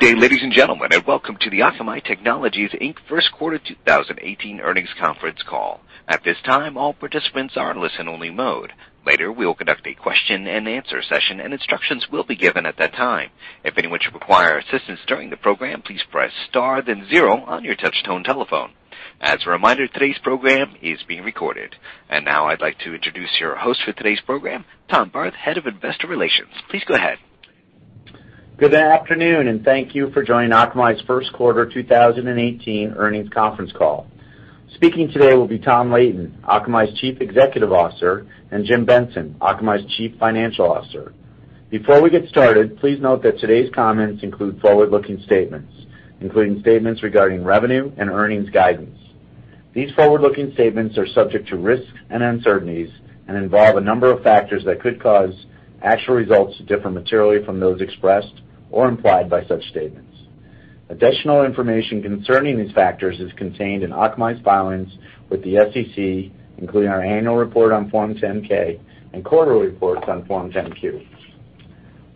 Good day, ladies and gentlemen, and welcome to the Akamai Technologies, Inc. first quarter 2018 earnings conference call. At this time, all participants are in listen only mode. Later, we will conduct a question and answer session and instructions will be given at that time. If anyone should require assistance during the program, please press star then zero on your touchtone telephone. As a reminder, today's program is being recorded. Now I'd like to introduce your host for today's program, Tom Barth, Head of Investor Relations. Please go ahead. Good afternoon, thank you for joining Akamai's first quarter 2018 earnings conference call. Speaking today will be Tom Leighton, Akamai's Chief Executive Officer, and James Benson, Akamai's Chief Financial Officer. Before we get started, please note that today's comments include forward-looking statements, including statements regarding revenue and earnings guidance. These forward-looking statements are subject to risks and uncertainties and involve a number of factors that could cause actual results to differ materially from those expressed or implied by such statements. Additional information concerning these factors is contained in Akamai's filings with the SEC, including our annual report on Form 10-K and quarterly reports on Form 10-Q.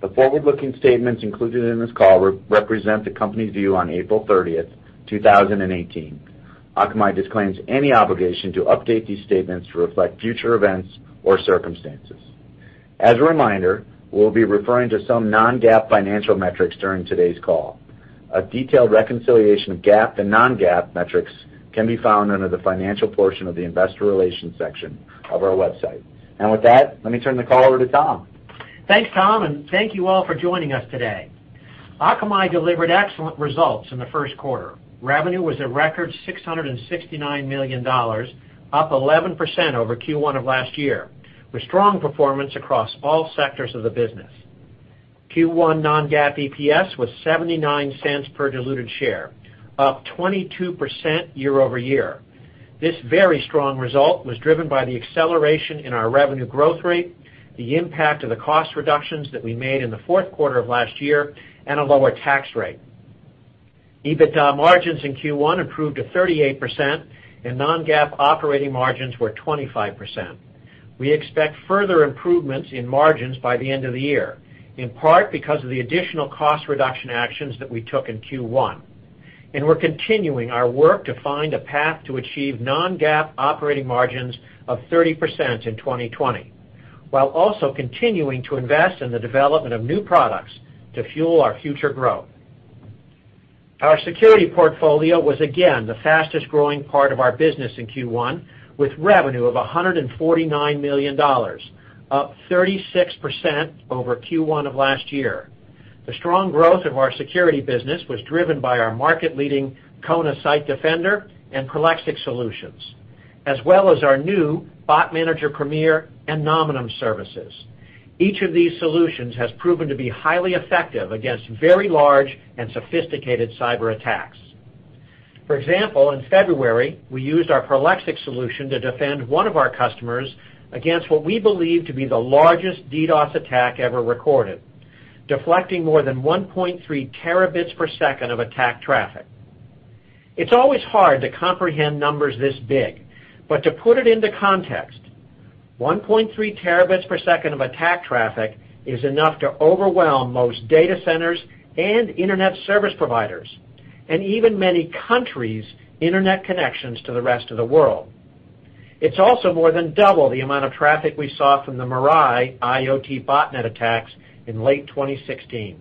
The forward-looking statements included in this call represent the company's view on April 30th, 2018. Akamai disclaims any obligation to update these statements to reflect future events or circumstances. As a reminder, we'll be referring to some non-GAAP financial metrics during today's call. A detailed reconciliation of GAAP and non-GAAP metrics can be found under the financial portion of the investor relations section of our website. With that, let me turn the call over to Tom. Thanks, Tom, thank you all for joining us today. Akamai delivered excellent results in the first quarter. Revenue was a record $669 million, up 11% over Q1 of last year, with strong performance across all sectors of the business. Q1 non-GAAP EPS was $0.79 per diluted share, up 22% year-over-year. This very strong result was driven by the acceleration in our revenue growth rate, the impact of the cost reductions that we made in the fourth quarter of last year, and a lower tax rate. EBITDA margins in Q1 improved to 38%, and non-GAAP operating margins were 25%. We expect further improvements in margins by the end of the year, in part because of the additional cost reduction actions that we took in Q1. We're continuing our work to find a path to achieve non-GAAP operating margins of 30% in 2020, while also continuing to invest in the development of new products to fuel our future growth. Our security portfolio was again the fastest growing part of our business in Q1, with revenue of $149 million, up 36% over Q1 of last year. The strong growth of our security business was driven by our market-leading Kona Site Defender and Prolexic solutions, as well as our new Bot Manager Premier and Nominum services. Each of these solutions has proven to be highly effective against very large and sophisticated cyber attacks. For example, in February, we used our Prolexic solution to defend one of our customers against what we believe to be the largest DDoS attack ever recorded, deflecting more than 1.3 terabits per second of attack traffic. It's always hard to comprehend numbers this big, but to put it into context, 1.3 terabits per second of attack traffic is enough to overwhelm most data centers and internet service providers, and even many countries' internet connections to the rest of the world. It's also more than double the amount of traffic we saw from the Mirai IoT botnet attacks in late 2016.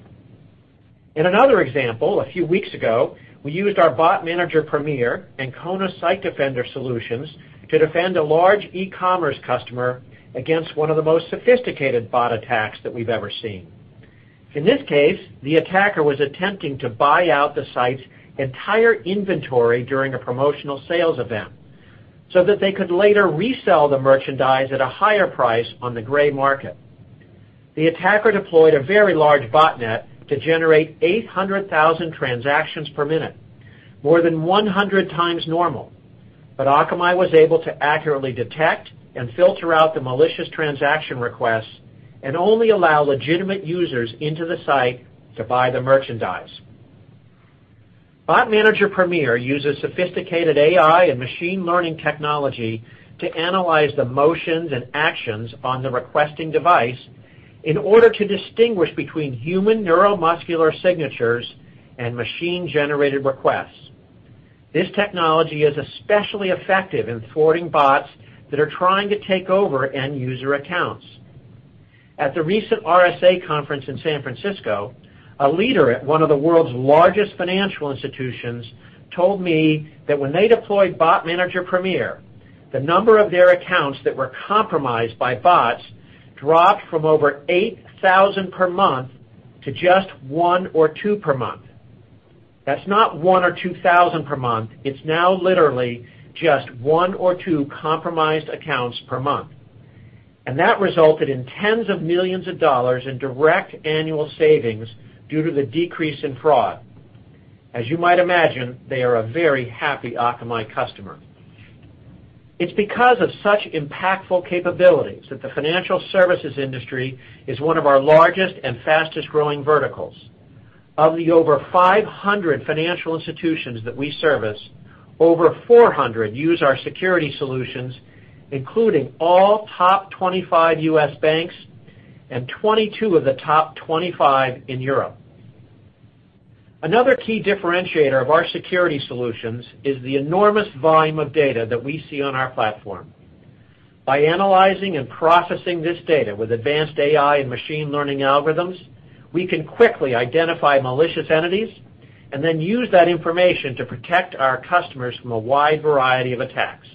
In another example, a few weeks ago, we used our Bot Manager Premier and Kona Site Defender solutions to defend a large e-commerce customer against one of the most sophisticated bot attacks that we've ever seen. In this case, the attacker was attempting to buy out the site's entire inventory during a promotional sales event so that they could later resell the merchandise at a higher price on the gray market. The attacker deployed a very large botnet to generate 800,000 transactions per minute, more than 100 times normal. Akamai was able to accurately detect and filter out the malicious transaction requests and only allow legitimate users into the site to buy the merchandise. Bot Manager Premier uses sophisticated AI and machine learning technology to analyze the motions and actions on the requesting device in order to distinguish between human neuromuscular signatures and machine-generated requests. This technology is especially effective in thwarting bots that are trying to take over end user accounts. At the recent RSA Conference in San Francisco, a leader at one of the world's largest financial institutions told me that when they deployed Bot Manager Premier, the number of their accounts that were compromised by bots dropped from over 8,000 per month to just one or two per month. That's not 1 or 2,000 per month, it's now literally just one or two compromised accounts per month. That resulted in tens of millions of dollars in direct annual savings due to the decrease in fraud. As you might imagine, they are a very happy Akamai customer. It's because of such impactful capabilities that the financial services industry is one of our largest and fastest growing verticals. Of the over 500 financial institutions that we service, over 400 use our security solutions, including all top 25 U.S. banks and 22 of the top 25 in Europe. Another key differentiator of our security solutions is the enormous volume of data that we see on our platform. By analyzing and processing this data with advanced AI and machine learning algorithms, we can quickly identify malicious entities and then use that information to protect our customers from a wide variety of attacks.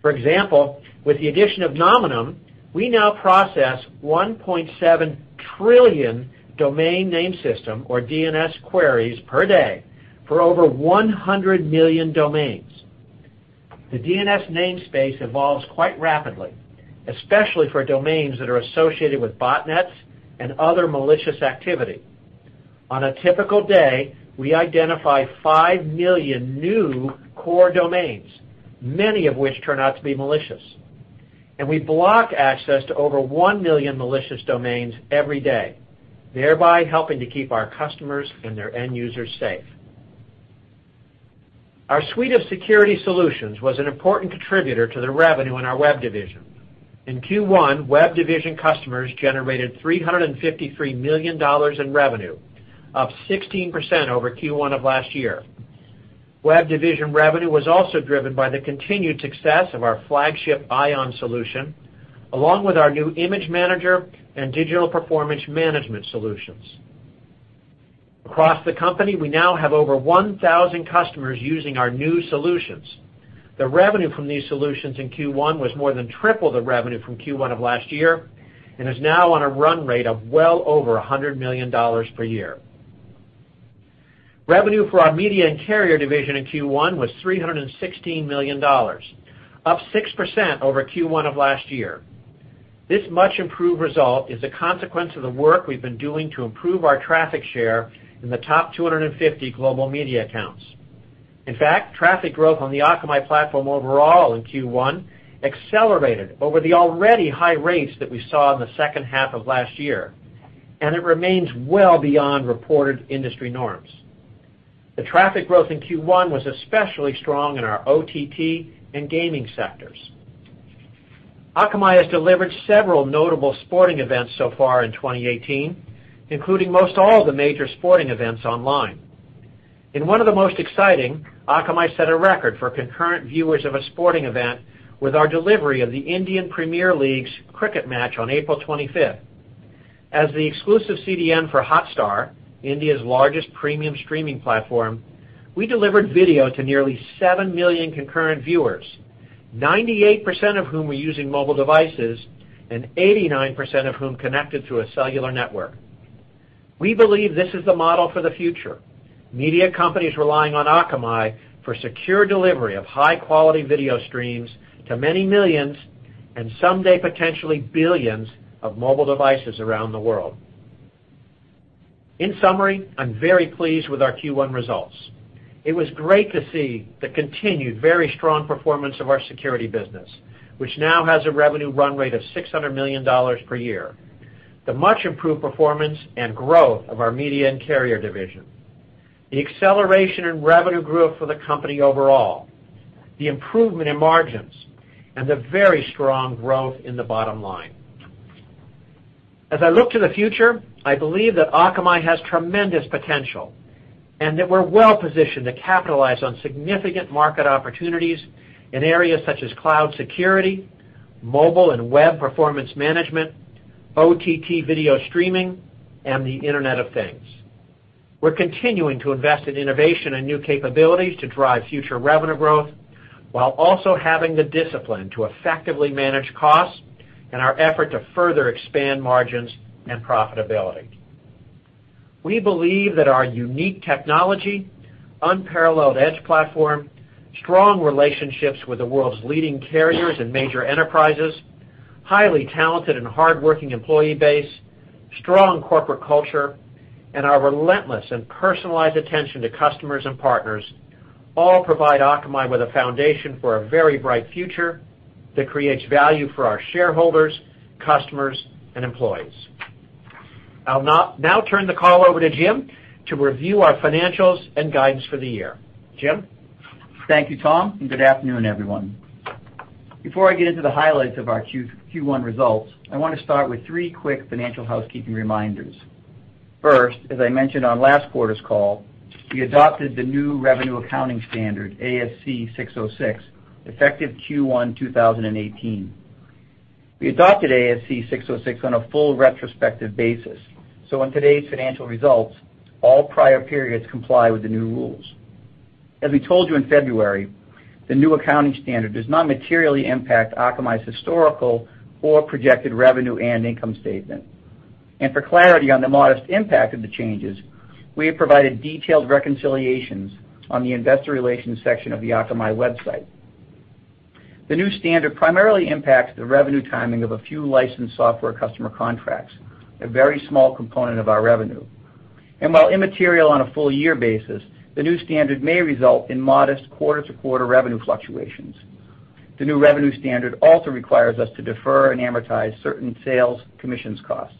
For example, with the addition of Nominum, we now process 1.7 trillion domain name system, or DNS, queries per day for over 100 million domains. The DNS namespace evolves quite rapidly, especially for domains that are associated with botnets and other malicious activity. On a typical day, we identify 5 million new core domains, many of which turn out to be malicious. We block access to over 1 million malicious domains every day, thereby helping to keep our customers and their end users safe. Our suite of security solutions was an important contributor to the revenue in our Web Division. In Q1, Web Division customers generated $353 million in revenue, up 16% over Q1 of last year. Web Division revenue was also driven by the continued success of our flagship Ion solution, along with our new Image Manager and Digital Performance Management solutions. Across the company, we now have over 1,000 customers using our new solutions. The revenue from these solutions in Q1 was more than triple the revenue from Q1 of last year and is now on a run rate of well over $100 million per year. Revenue for our Media and Carrier Division in Q1 was $316 million, up 6% over Q1 of last year. This much-improved result is a consequence of the work we've been doing to improve our traffic share in the top 250 global media accounts. In fact, traffic growth on the Akamai platform overall in Q1 accelerated over the already high rates that we saw in the second half of last year, it remains well beyond reported industry norms. The traffic growth in Q1 was especially strong in our OTT and gaming sectors. Akamai has delivered several notable sporting events so far in 2018, including most all of the major sporting events online. In one of the most exciting, Akamai set a record for concurrent viewers of a sporting event with our delivery of the Indian Premier League's cricket match on April 25th. As the exclusive CDN for Hotstar, India's largest premium streaming platform, we delivered video to nearly 7 million concurrent viewers, 98% of whom were using mobile devices and 89% of whom connected through a cellular network. We believe this is the model for the future, media companies relying on Akamai for secure delivery of high-quality video streams to many millions, and someday potentially billions of mobile devices around the world. In summary, I'm very pleased with our Q1 results. It was great to see the continued very strong performance of our security business, which now has a revenue run rate of $600 million per year, the much improved performance and growth of our Media and Carrier Division, the acceleration in revenue growth for the company overall, the improvement in margins, and the very strong growth in the bottom line. As I look to the future, I believe that Akamai has tremendous potential and that we're well-positioned to capitalize on significant market opportunities in areas such as cloud security, mobile and web performance management, OTT video streaming, and the Internet of Things. We're continuing to invest in innovation and new capabilities to drive future revenue growth while also having the discipline to effectively manage costs in our effort to further expand margins and profitability. We believe that our unique technology, unparalleled edge platform, strong relationships with the world's leading carriers and major enterprises, highly talented and hardworking employee base, strong corporate culture, and our relentless and personalized attention to customers and partners all provide Akamai with a foundation for a very bright future that creates value for our shareholders, customers, and employees. I'll now turn the call over to Jim to review our financials and guidance for the year. Jim? Thank you, Tom, and good afternoon, everyone. Before I get into the highlights of our Q1 results, I want to start with three quick financial housekeeping reminders. First, as I mentioned on last quarter's call, I adopted the new revenue accounting standard, ASC 606, effective Q1 2018. We adopted ASC 606 on a full retrospective basis, so on today's financial results, all prior periods comply with the new rules. As we told you in February, the new accounting standard does not materially impact Akamai's historical or projected revenue and income statement. For clarity on the modest impact of the changes, we have provided detailed reconciliations on the investor relations section of the Akamai website. The new standard primarily impacts the revenue timing of a few licensed software customer contracts, a very small component of our revenue. While immaterial on a full year basis, the new standard may result in modest quarter-to-quarter revenue fluctuations. The new revenue standard also requires us to defer and amortize certain sales commissions costs.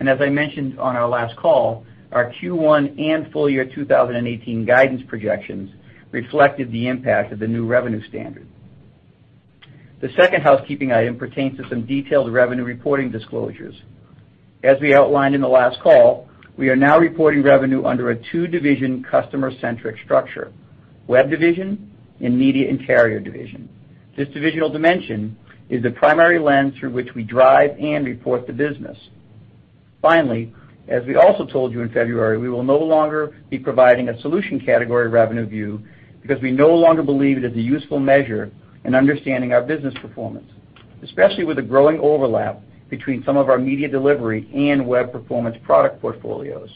As I mentioned on our last call, our Q1 and full year 2018 guidance projections reflected the impact of the new revenue standard. The second housekeeping item pertains to some detailed revenue reporting disclosures. As we outlined in the last call, we are now reporting revenue under a two-division customer-centric structure, Web Division and Media and Carrier Division. This divisional dimension is the primary lens through which we drive and report the business. Finally, as we also told you in February, we will no longer be providing a solution category revenue view because we no longer believe it is a useful measure in understanding our business performance, especially with the growing overlap between some of our media delivery and web performance product portfolios.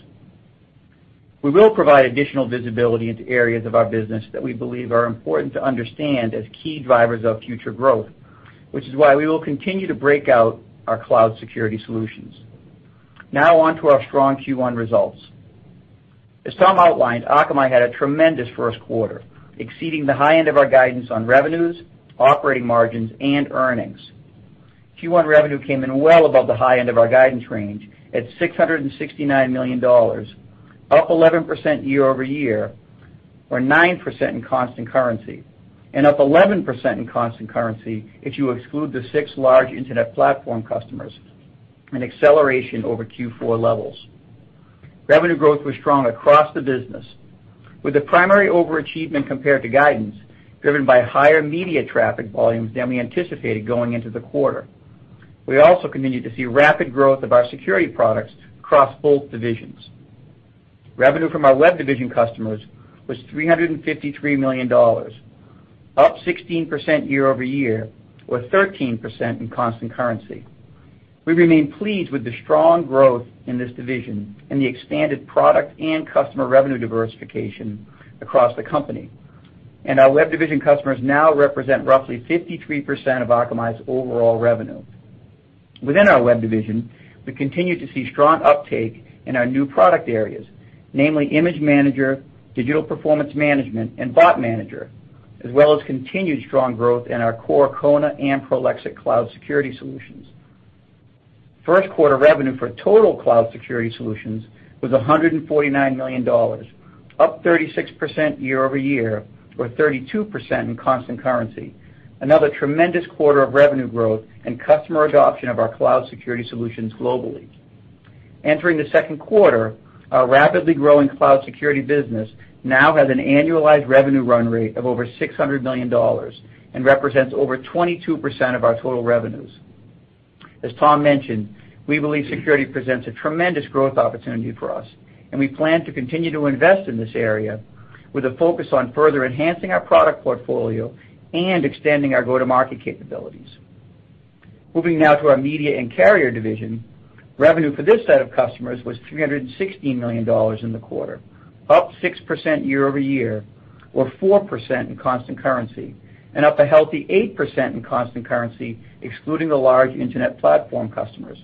We will provide additional visibility into areas of our business that we believe are important to understand as key drivers of future growth, which is why we will continue to break out our cloud security solutions. Now on to our strong Q1 results. As Tom outlined, Akamai had a tremendous first quarter, exceeding the high end of our guidance on revenues, operating margins, and earnings. Q1 revenue came in well above the high end of our guidance range at $669 million, up 11% year-over-year, or 9% in constant currency, and up 11% in constant currency if you exclude the six large internet platform customers, an acceleration over Q4 levels. Revenue growth was strong across the business, with the primary overachievement compared to guidance driven by higher media traffic volumes than we anticipated going into the quarter. We also continued to see rapid growth of our security products across both divisions. Revenue from our Web Division customers was $353 million, up 16% year-over-year, or 13% in constant currency. We remain pleased with the strong growth in this division and the expanded product and customer revenue diversification across the company. Our Web Division customers now represent roughly 53% of Akamai's overall revenue. Within our Web Division, we continue to see strong uptake in our new product areas, namely Image Manager, Digital Performance Management, and Bot Manager, as well as continued strong growth in our core Kona and Prolexic cloud security solutions. First quarter revenue for total cloud security solutions was $149 million, up 36% year-over-year, or 32% in constant currency. Another tremendous quarter of revenue growth and customer adoption of our cloud security solutions globally. Entering the second quarter, our rapidly growing cloud security business now has an annualized revenue run rate of over $600 million and represents over 22% of our total revenues. As Tom mentioned, we believe security presents a tremendous growth opportunity for us, and we plan to continue to invest in this area with a focus on further enhancing our product portfolio and extending our go-to-market capabilities. Moving now to our Media and Carrier Division, revenue for this set of customers was $316 million in the quarter, up 6% year-over-year, or 4% in constant currency, and up a healthy 8% in constant currency excluding the large internet platform customers.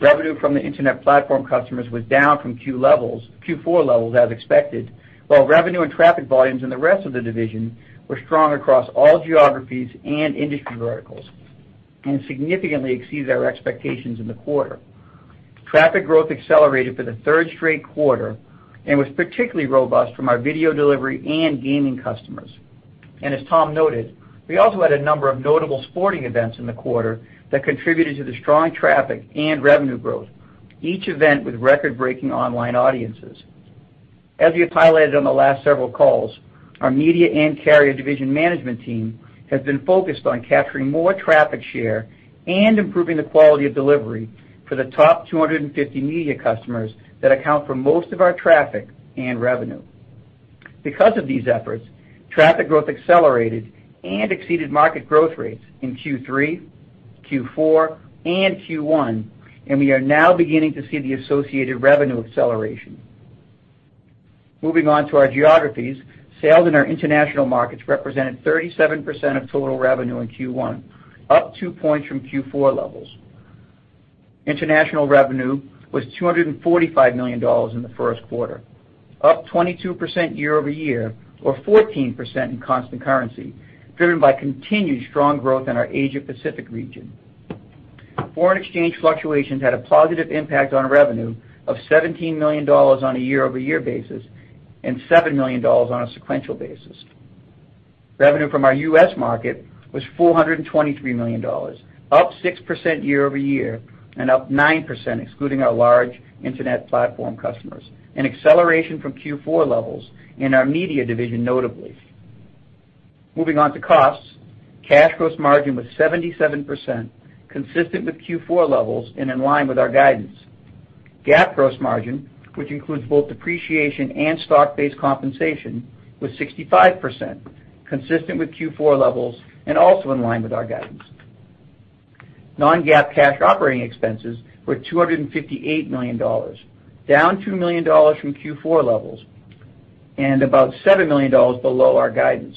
Revenue from the internet platform customers was down from Q4 levels as expected, while revenue and traffic volumes in the rest of the division were strong across all geographies and industry verticals and significantly exceeded our expectations in the quarter. Traffic growth accelerated for the third straight quarter and was particularly robust from our video delivery and gaming customers. As Tom noted, we also had a number of notable sporting events in the quarter that contributed to the strong traffic and revenue growth, each event with record-breaking online audiences. As we have highlighted on the last several calls, our Media and Carrier Division management team has been focused on capturing more traffic share and improving the quality of delivery for the top 250 media customers that account for most of our traffic and revenue. Because of these efforts, traffic growth accelerated and exceeded market growth rates in Q3, Q4, and Q1, we are now beginning to see the associated revenue acceleration. Moving on to our geographies, sales in our international markets represented 37% of total revenue in Q1, up two points from Q4 levels. International revenue was $245 million in the first quarter, up 22% year-over-year, or 14% in constant currency, driven by continued strong growth in our Asia Pacific region. Foreign exchange fluctuations had a positive impact on revenue of $17 million on a year-over-year basis and $7 million on a sequential basis. Revenue from our U.S. market was $423 million, up 6% year-over-year and up 9% excluding our large internet platform customers, an acceleration from Q4 levels in our Media Division notably. Moving on to costs, cash gross margin was 77%, consistent with Q4 levels and in line with our guidance. GAAP gross margin, which includes both depreciation and stock-based compensation, was 65%, consistent with Q4 levels and also in line with our guidance. Non-GAAP cash operating expenses were $258 million, down $2 million from Q4 levels and about $7 million below our guidance,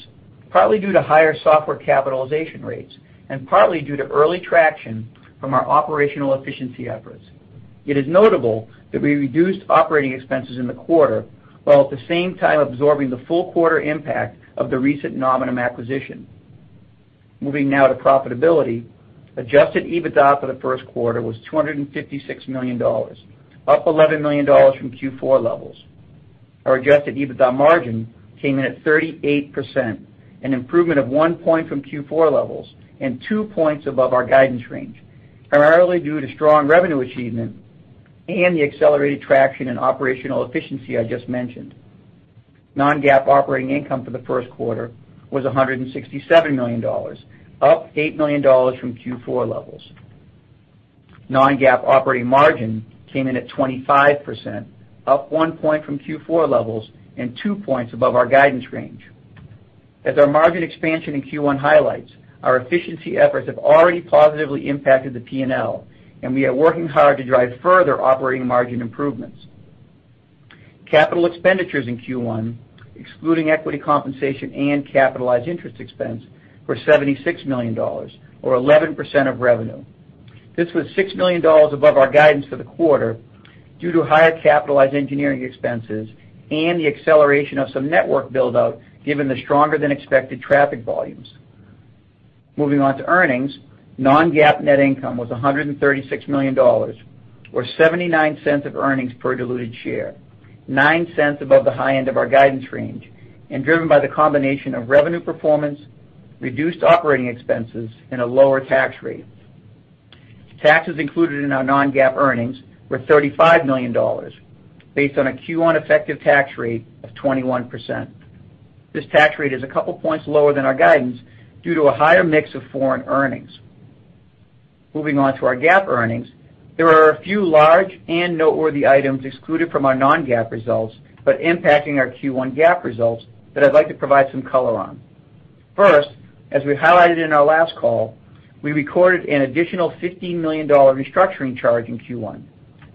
partly due to higher software capitalization rates and partly due to early traction from our operational efficiency efforts. It is notable that we reduced operating expenses in the quarter, while at the same time absorbing the full quarter impact of the recent Nominum acquisition. Moving now to profitability. Adjusted EBITDA for the first quarter was $256 million, up $11 million from Q4 levels. Our adjusted EBITDA margin came in at 38%, an improvement of 1 point from Q4 levels, and 2 points above our guidance range, primarily due to strong revenue achievement and the accelerated traction and operational efficiency I just mentioned. Non-GAAP operating income for the first quarter was $167 million, up $8 million from Q4 levels. Non-GAAP operating margin came in at 25%, up 1 point from Q4 levels, and 2 points above our guidance range. As our margin expansion in Q1 highlights, our efficiency efforts have already positively impacted the P&L. We are working hard to drive further operating margin improvements. Capital expenditures in Q1, excluding equity compensation and capitalized interest expense, were $76 million, or 11% of revenue. This was $6 million above our guidance for the quarter due to higher capitalized engineering expenses and the acceleration of some network build-out, given the stronger than expected traffic volumes. Moving on to earnings. Non-GAAP net income was $136 million, or $0.79 of earnings per diluted share, $0.09 above the high end of our guidance range. Driven by the combination of revenue performance, reduced operating expenses, and a lower tax rate. Taxes included in our non-GAAP earnings were $35 million, based on a Q1 effective tax rate of 21%. This tax rate is a couple points lower than our guidance due to a higher mix of foreign earnings. Moving on to our GAAP earnings. There are a few large and noteworthy items excluded from our non-GAAP results but impacting our Q1 GAAP results that I'd like to provide some color on. First, as we highlighted in our last call, we recorded an additional $15 million restructuring charge in Q1,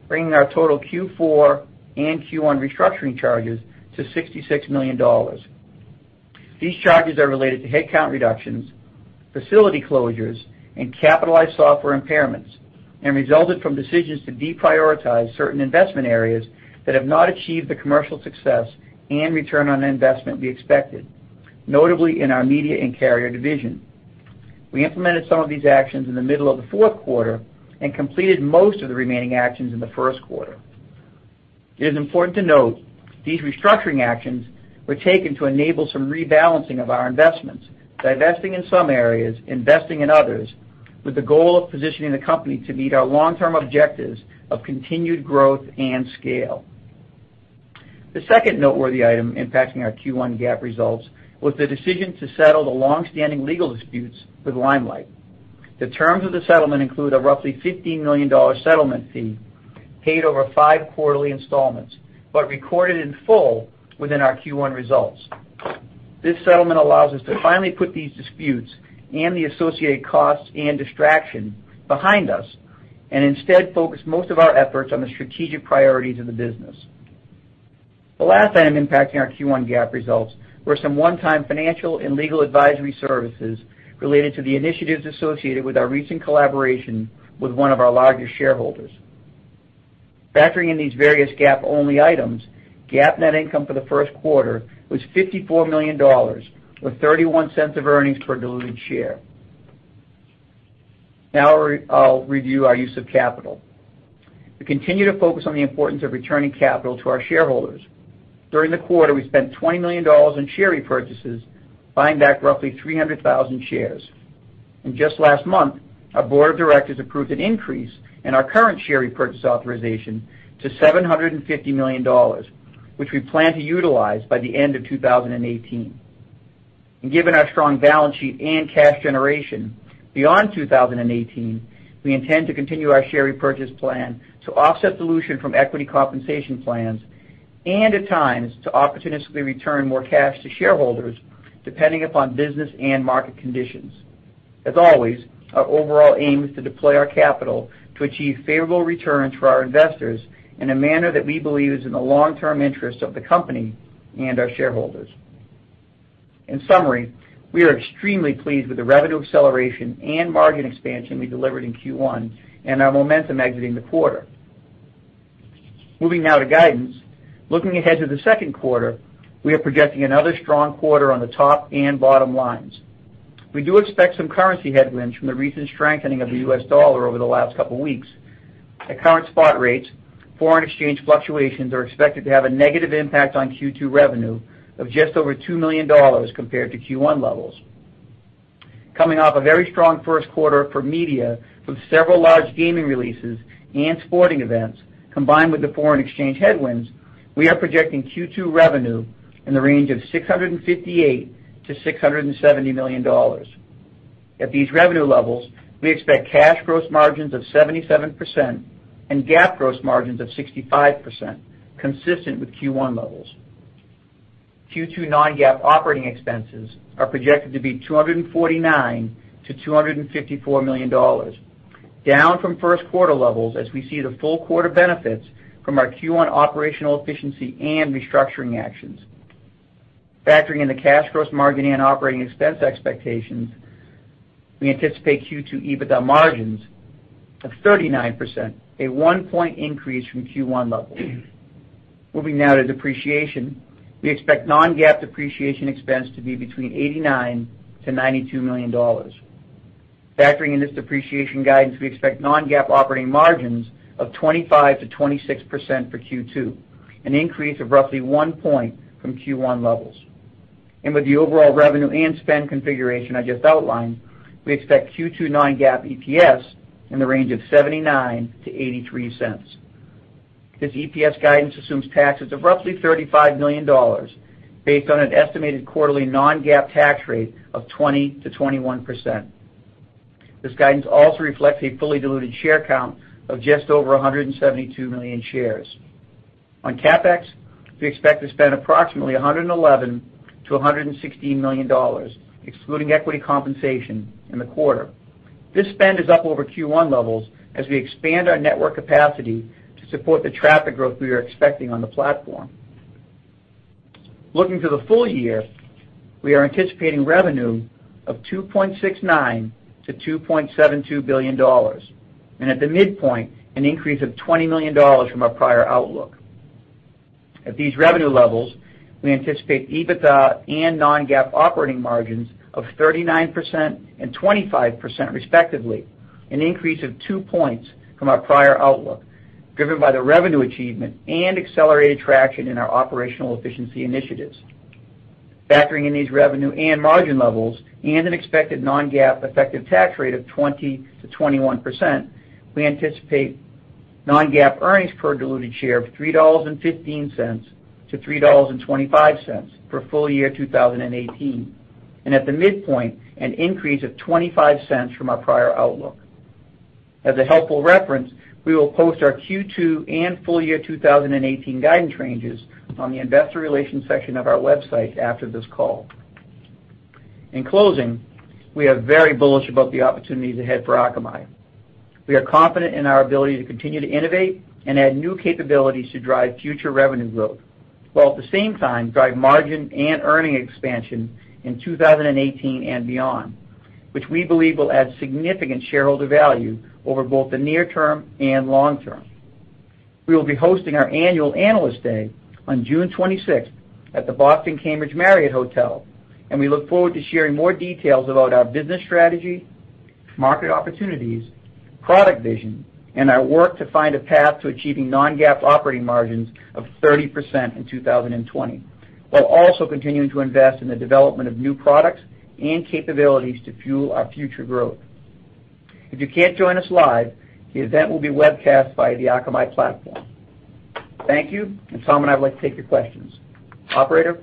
bringing our total Q4 and Q1 restructuring charges to $66 million. These charges are related to headcount reductions, facility closures, and capitalized software impairments. Resulted from decisions to deprioritize certain investment areas that have not achieved the commercial success and return on investment we expected, notably in our Media and Carrier Division. We implemented some of these actions in the middle of the fourth quarter and completed most of the remaining actions in the first quarter. It is important to note these restructuring actions were taken to enable some rebalancing of our investments, divesting in some areas, investing in others, with the goal of positioning the company to meet our long-term objectives of continued growth and scale. The second noteworthy item impacting our Q1 GAAP results was the decision to settle the long-standing legal disputes with Limelight Networks. The terms of the settlement include a roughly $15 million settlement fee paid over five quarterly installments, but recorded in full within our Q1 results. This settlement allows us to finally put these disputes and the associated costs and distraction behind us, and instead focus most of our efforts on the strategic priorities of the business. The last item impacting our Q1 GAAP results were some one-time financial and legal advisory services related to the initiatives associated with our recent collaboration with one of our largest shareholders. Factoring in these various GAAP-only items, GAAP net income for the first quarter was $54 million, or $0.31 of earnings per diluted share. Now I'll review our use of capital. We continue to focus on the importance of returning capital to our shareholders. During the quarter, we spent $20 million in share repurchases, buying back roughly 300,000 shares. Just last month, our board of directors approved an increase in our current share repurchase authorization to $750 million, which we plan to utilize by the end of 2018. Given our strong balance sheet and cash generation, beyond 2018, we intend to continue our share repurchase plan to offset dilution from equity compensation plans, and at times, to opportunistically return more cash to shareholders, depending upon business and market conditions. As always, our overall aim is to deploy our capital to achieve favorable returns for our investors in a manner that we believe is in the long-term interest of the company and our shareholders. In summary, we are extremely pleased with the revenue acceleration and margin expansion we delivered in Q1 and our momentum exiting the quarter. Moving now to guidance. Looking ahead to the second quarter, we are projecting another strong quarter on the top and bottom lines. We do expect some currency headwinds from the recent strengthening of the U.S. dollar over the last couple weeks. At current spot rates, foreign exchange fluctuations are expected to have a negative impact on Q2 revenue of just over $2 million compared to Q1 levels. Coming off a very strong first quarter for media with several large gaming releases and sporting events, combined with the foreign exchange headwinds, we are projecting Q2 revenue in the range of $658 million-$670 million. At these revenue levels, we expect cash gross margins of 77% and GAAP gross margins of 65%, consistent with Q1 levels. Q2 non-GAAP operating expenses are projected to be $249 million-$254 million, down from first quarter levels as we see the full quarter benefits from our Q1 operational efficiency and restructuring actions. Factoring in the cash gross margin and operating expense expectations, we anticipate Q2 EBITDA margins of 39%, a one-point increase from Q1 levels. Moving now to depreciation. We expect non-GAAP depreciation expense to be between $89 million-$92 million. Factoring in this depreciation guidance, we expect non-GAAP operating margins of 25%-26% for Q2, an increase of roughly one point from Q1 levels. With the overall revenue and spend configuration I just outlined, we expect Q2 non-GAAP EPS in the range of $0.79-$0.83. This EPS guidance assumes taxes of roughly $35 million based on an estimated quarterly non-GAAP tax rate of 20%-21%. This guidance also reflects a fully diluted share count of just over 172 million shares. On CapEx, we expect to spend approximately $111 million-$116 million, excluding equity compensation in the quarter. This spend is up over Q1 levels as we expand our network capacity to support the traffic growth we are expecting on the platform. Looking to the full year, we are anticipating revenue of $2.69 billion-$2.72 billion, and at the midpoint, an increase of $20 million from our prior outlook. At these revenue levels, we anticipate EBITDA and non-GAAP operating margins of 39% and 25% respectively, an increase of two points from our prior outlook, driven by the revenue achievement and accelerated traction in our operational efficiency initiatives. Factoring in these revenue and margin levels and an expected non-GAAP effective tax rate of 20%-21%, we anticipate non-GAAP earnings per diluted share of $3.15-$3.25 for full year 2018, and at the midpoint, an increase of $0.25 from our prior outlook. As a helpful reference, we will post our Q2 and full year 2018 guidance ranges on the investor relations section of our website after this call. In closing, we are very bullish about the opportunities ahead for Akamai. We are confident in our ability to continue to innovate and add new capabilities to drive future revenue growth, while at the same time drive margin and earning expansion in 2018 and beyond, which we believe will add significant shareholder value over both the near term and long term. We will be hosting our annual Analyst Day on June 26th at the Boston Marriott Cambridge Hotel. We look forward to sharing more details about our business strategy, market opportunities, product vision, and our work to find a path to achieving non-GAAP operating margins of 30% in 2020, while also continuing to invest in the development of new products and capabilities to fuel our future growth. If you can't join us live, the event will be webcast via the Akamai platform. Thank you. Tom and I would like to take your questions. Operator?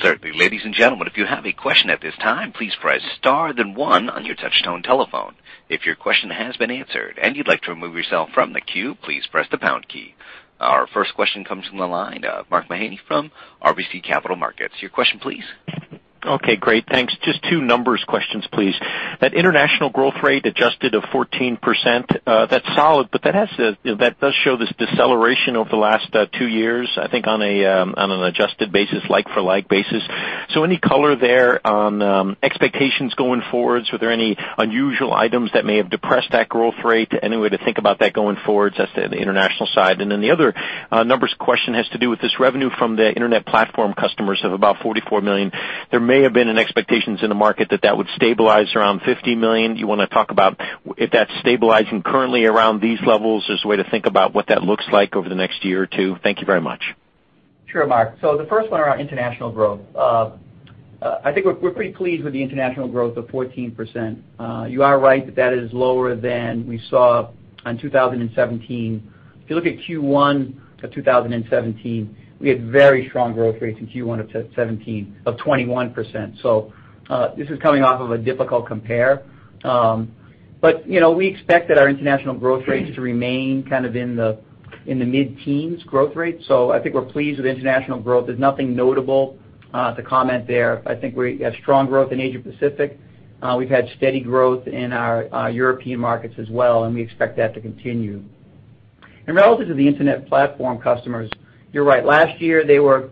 Certainly. Ladies and gentlemen, if you have a question at this time, please press star then one on your touch tone telephone. If your question has been answered and you'd like to remove yourself from the queue, please press the pound key. Our first question comes from the line of Mark Mahaney from RBC Capital Markets. Your question, please. Okay, great. Thanks. Just two numbers questions, please. That international growth rate adjusted of 14%, that's solid, but that does show this deceleration over the last two years, I think on an adjusted basis, like-for-like basis. Any color there on expectations going forward? Were there any unusual items that may have depressed that growth rate? Any way to think about that going forward just at the international side? The other numbers question has to do with this revenue from the internet platform customers of about $44 million. There may have been an expectations in the market that would stabilize around $50 million. Do you want to talk about if that's stabilizing currently around these levels, just a way to think about what that looks like over the next year or two? Thank you very much. Sure, Mark. The first one around international growth. I think we're pretty pleased with the international growth of 14%. You are right that is lower than we saw in 2017. If you look at Q1 of 2017, we had very strong growth rates in Q1 of 2017 of 21%. This is coming off of a difficult compare. We expect that our international growth rates to remain kind of in the mid-teens growth rate. I think we're pleased with international growth. There's nothing notable to comment there. I think we have strong growth in Asia Pacific. We've had steady growth in our European markets as well, and we expect that to continue. Relative to the internet platform customers, you're right. Last year, they were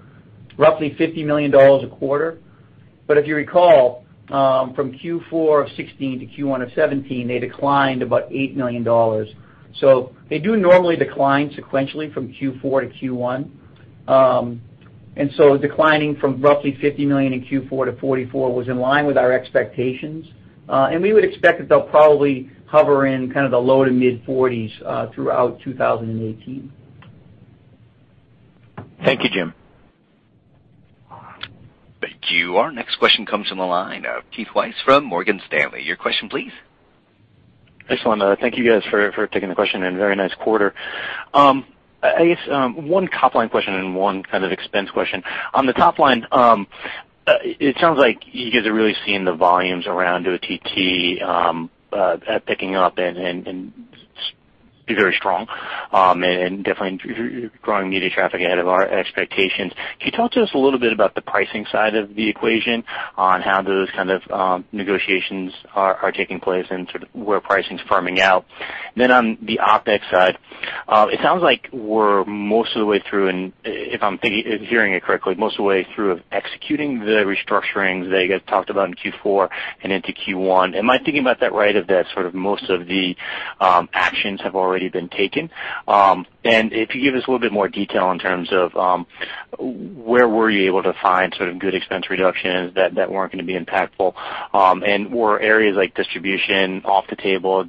roughly $50 million a quarter. If you recall, from Q4 of 2016 to Q1 of 2017, they declined about $8 million. They do normally decline sequentially from Q4 to Q1. Declining from roughly $50 million in Q4 to $44 was in line with our expectations. We would expect that they'll probably hover in kind of the low to mid-40s throughout 2018. Thank you, Jim. Thank you. Our next question comes from the line of Keith Weiss from Morgan Stanley. Your question, please. Excellent. Thank you guys for taking the question, and very nice quarter. I guess one top line question and one kind of expense question. On the top line, it sounds like you guys are really seeing the volumes around OTT picking up and be very strong, and definitely growing media traffic ahead of our expectations. Can you talk to us a little bit about the pricing side of the equation on how those kind of negotiations are taking place and sort of where pricing's firming out? On the OpEx side, it sounds like we're most of the way through, and if I'm hearing it correctly, most of the way through of executing the restructuring that you guys talked about in Q4 and into Q1. Am I thinking about that right, of that sort of most of the actions have already been taken? If you give us a little bit more detail in terms of, where were you able to find sort of good expense reductions that weren't going to be impactful? Were areas like distribution off the table?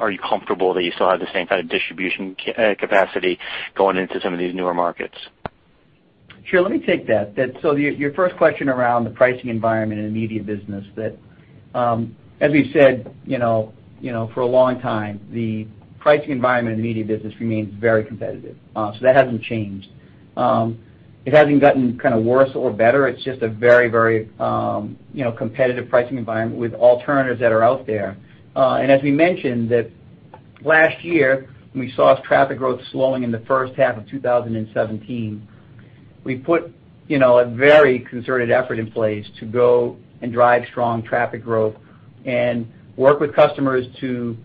Are you comfortable that you still have the same kind of distribution capacity going into some of these newer markets? Sure. Let me take that. Your first question around the pricing environment in the media business, as we've said for a long time, the pricing environment in the media business remains very competitive. That hasn't changed. It hasn't gotten kind of worse or better. It's just a very, very competitive pricing environment with alternatives that are out there. As we mentioned that last year, when we saw traffic growth slowing in the first half of 2017, we put a very concerted effort in place to go and drive strong traffic growth and work with customers to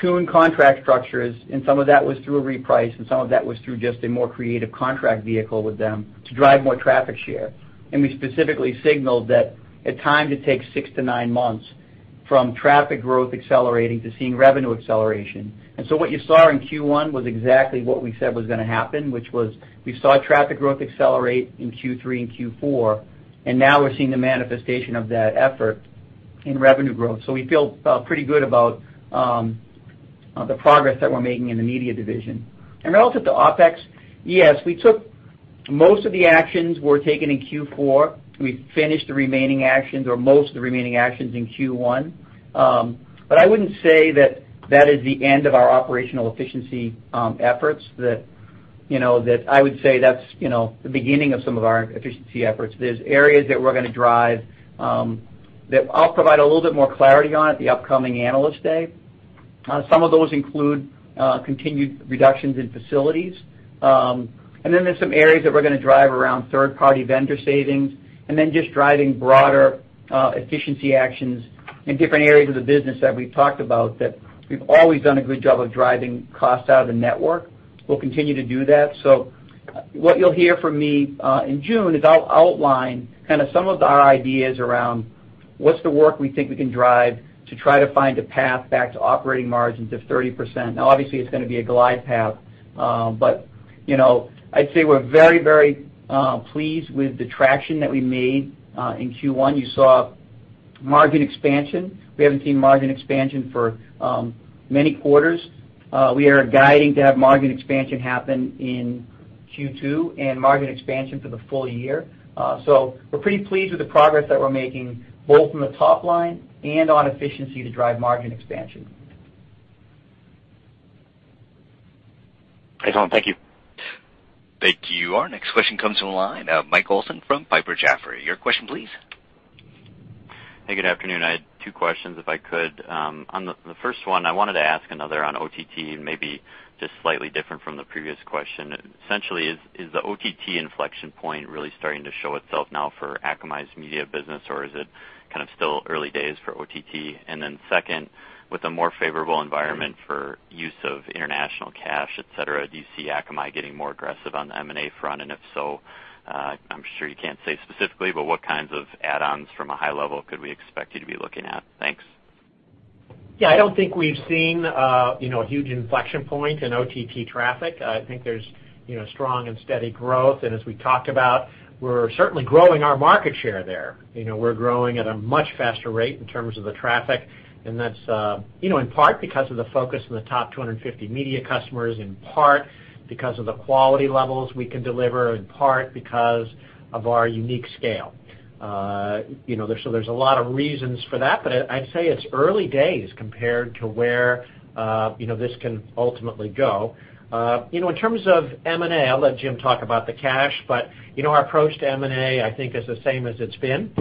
tune contract structures, and some of that was through a reprice, and some of that was through just a more creative contract vehicle with them to drive more traffic share. We specifically signaled that at times it takes 6 to 9 months from traffic growth accelerating to seeing revenue acceleration. What you saw in Q1 was exactly what we said was going to happen, which was we saw traffic growth accelerate in Q3 and Q4, and now we're seeing the manifestation of that effort in revenue growth. We feel pretty good about the progress that we're making in the media division. Relative to OpEx, yes, most of the actions were taken in Q4. We finished the remaining actions or most of the remaining actions in Q1. I wouldn't say that is the end of our operational efficiency efforts. I would say that's the beginning of some of our efficiency efforts. There's areas that we're going to drive, that I'll provide a little bit more clarity on at the upcoming Analyst Day. Some of those include continued reductions in facilities. There's some areas that we're going to drive around third-party vendor savings, and then just driving broader efficiency actions in different areas of the business that we've talked about, that we've always done a good job of driving costs out of the network. We'll continue to do that. What you'll hear from me in June is I'll outline kind of some of our ideas around what's the work we think we can drive to try to find a path back to operating margins of 30%. Now, obviously, it's going to be a glide path. I'd say we're very, very pleased with the traction that we made in Q1. You saw margin expansion. We haven't seen margin expansion for many quarters. We are guiding to have margin expansion happen in Q2 and margin expansion for the full year. We're pretty pleased with the progress that we're making, both on the top line and on efficiency to drive margin expansion. Hey, Tom. Thank you. Thank you. Our next question comes from the line of Michael Olson from Piper Jaffray. Your question, please. Hey, good afternoon. I had two questions, if I could. On the first one, I wanted to ask another on OTT, maybe just slightly different from the previous question. Essentially, is the OTT inflection point really starting to show itself now for Akamai's media business, or is it kind of still early days for OTT? Second, with a more favorable environment for use of international cash, et cetera, do you see Akamai getting more aggressive on the M&A front? If so, I'm sure you can't say specifically, but what kinds of add-ons from a high level could we expect you to be looking at? Thanks. Yeah, I don't think we've seen a huge inflection point in OTT traffic. I think there's strong and steady growth, and as we talked about, we're certainly growing our market share there. We're growing at a much faster rate in terms of the traffic, and that's in part because of the focus on the top 250 media customers, in part because of the quality levels we can deliver, in part because of our unique scale. There's a lot of reasons for that, but I'd say it's early days compared to where this can ultimately go. In terms of M&A, I'll let Jim talk about the cash, but our approach to M&A, I think is the same as it's been.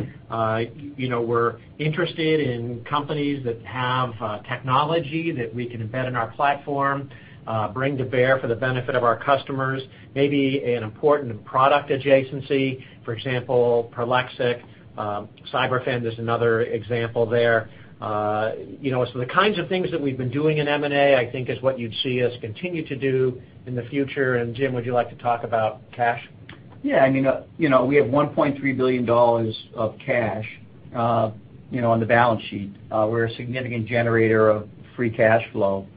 We're interested in companies that have technology that we can embed in our platform, bring to bear for the benefit of our customers, maybe an important product adjacency. For example, Prolexic, Cyberfend is another example there. The kinds of things that we've been doing in M&A, I think is what you'd see us continue to do in the future. Jim, would you like to talk about cash? Yeah. We have $1.3 billion of cash on the balance sheet. We're a significant generator of free cash flow.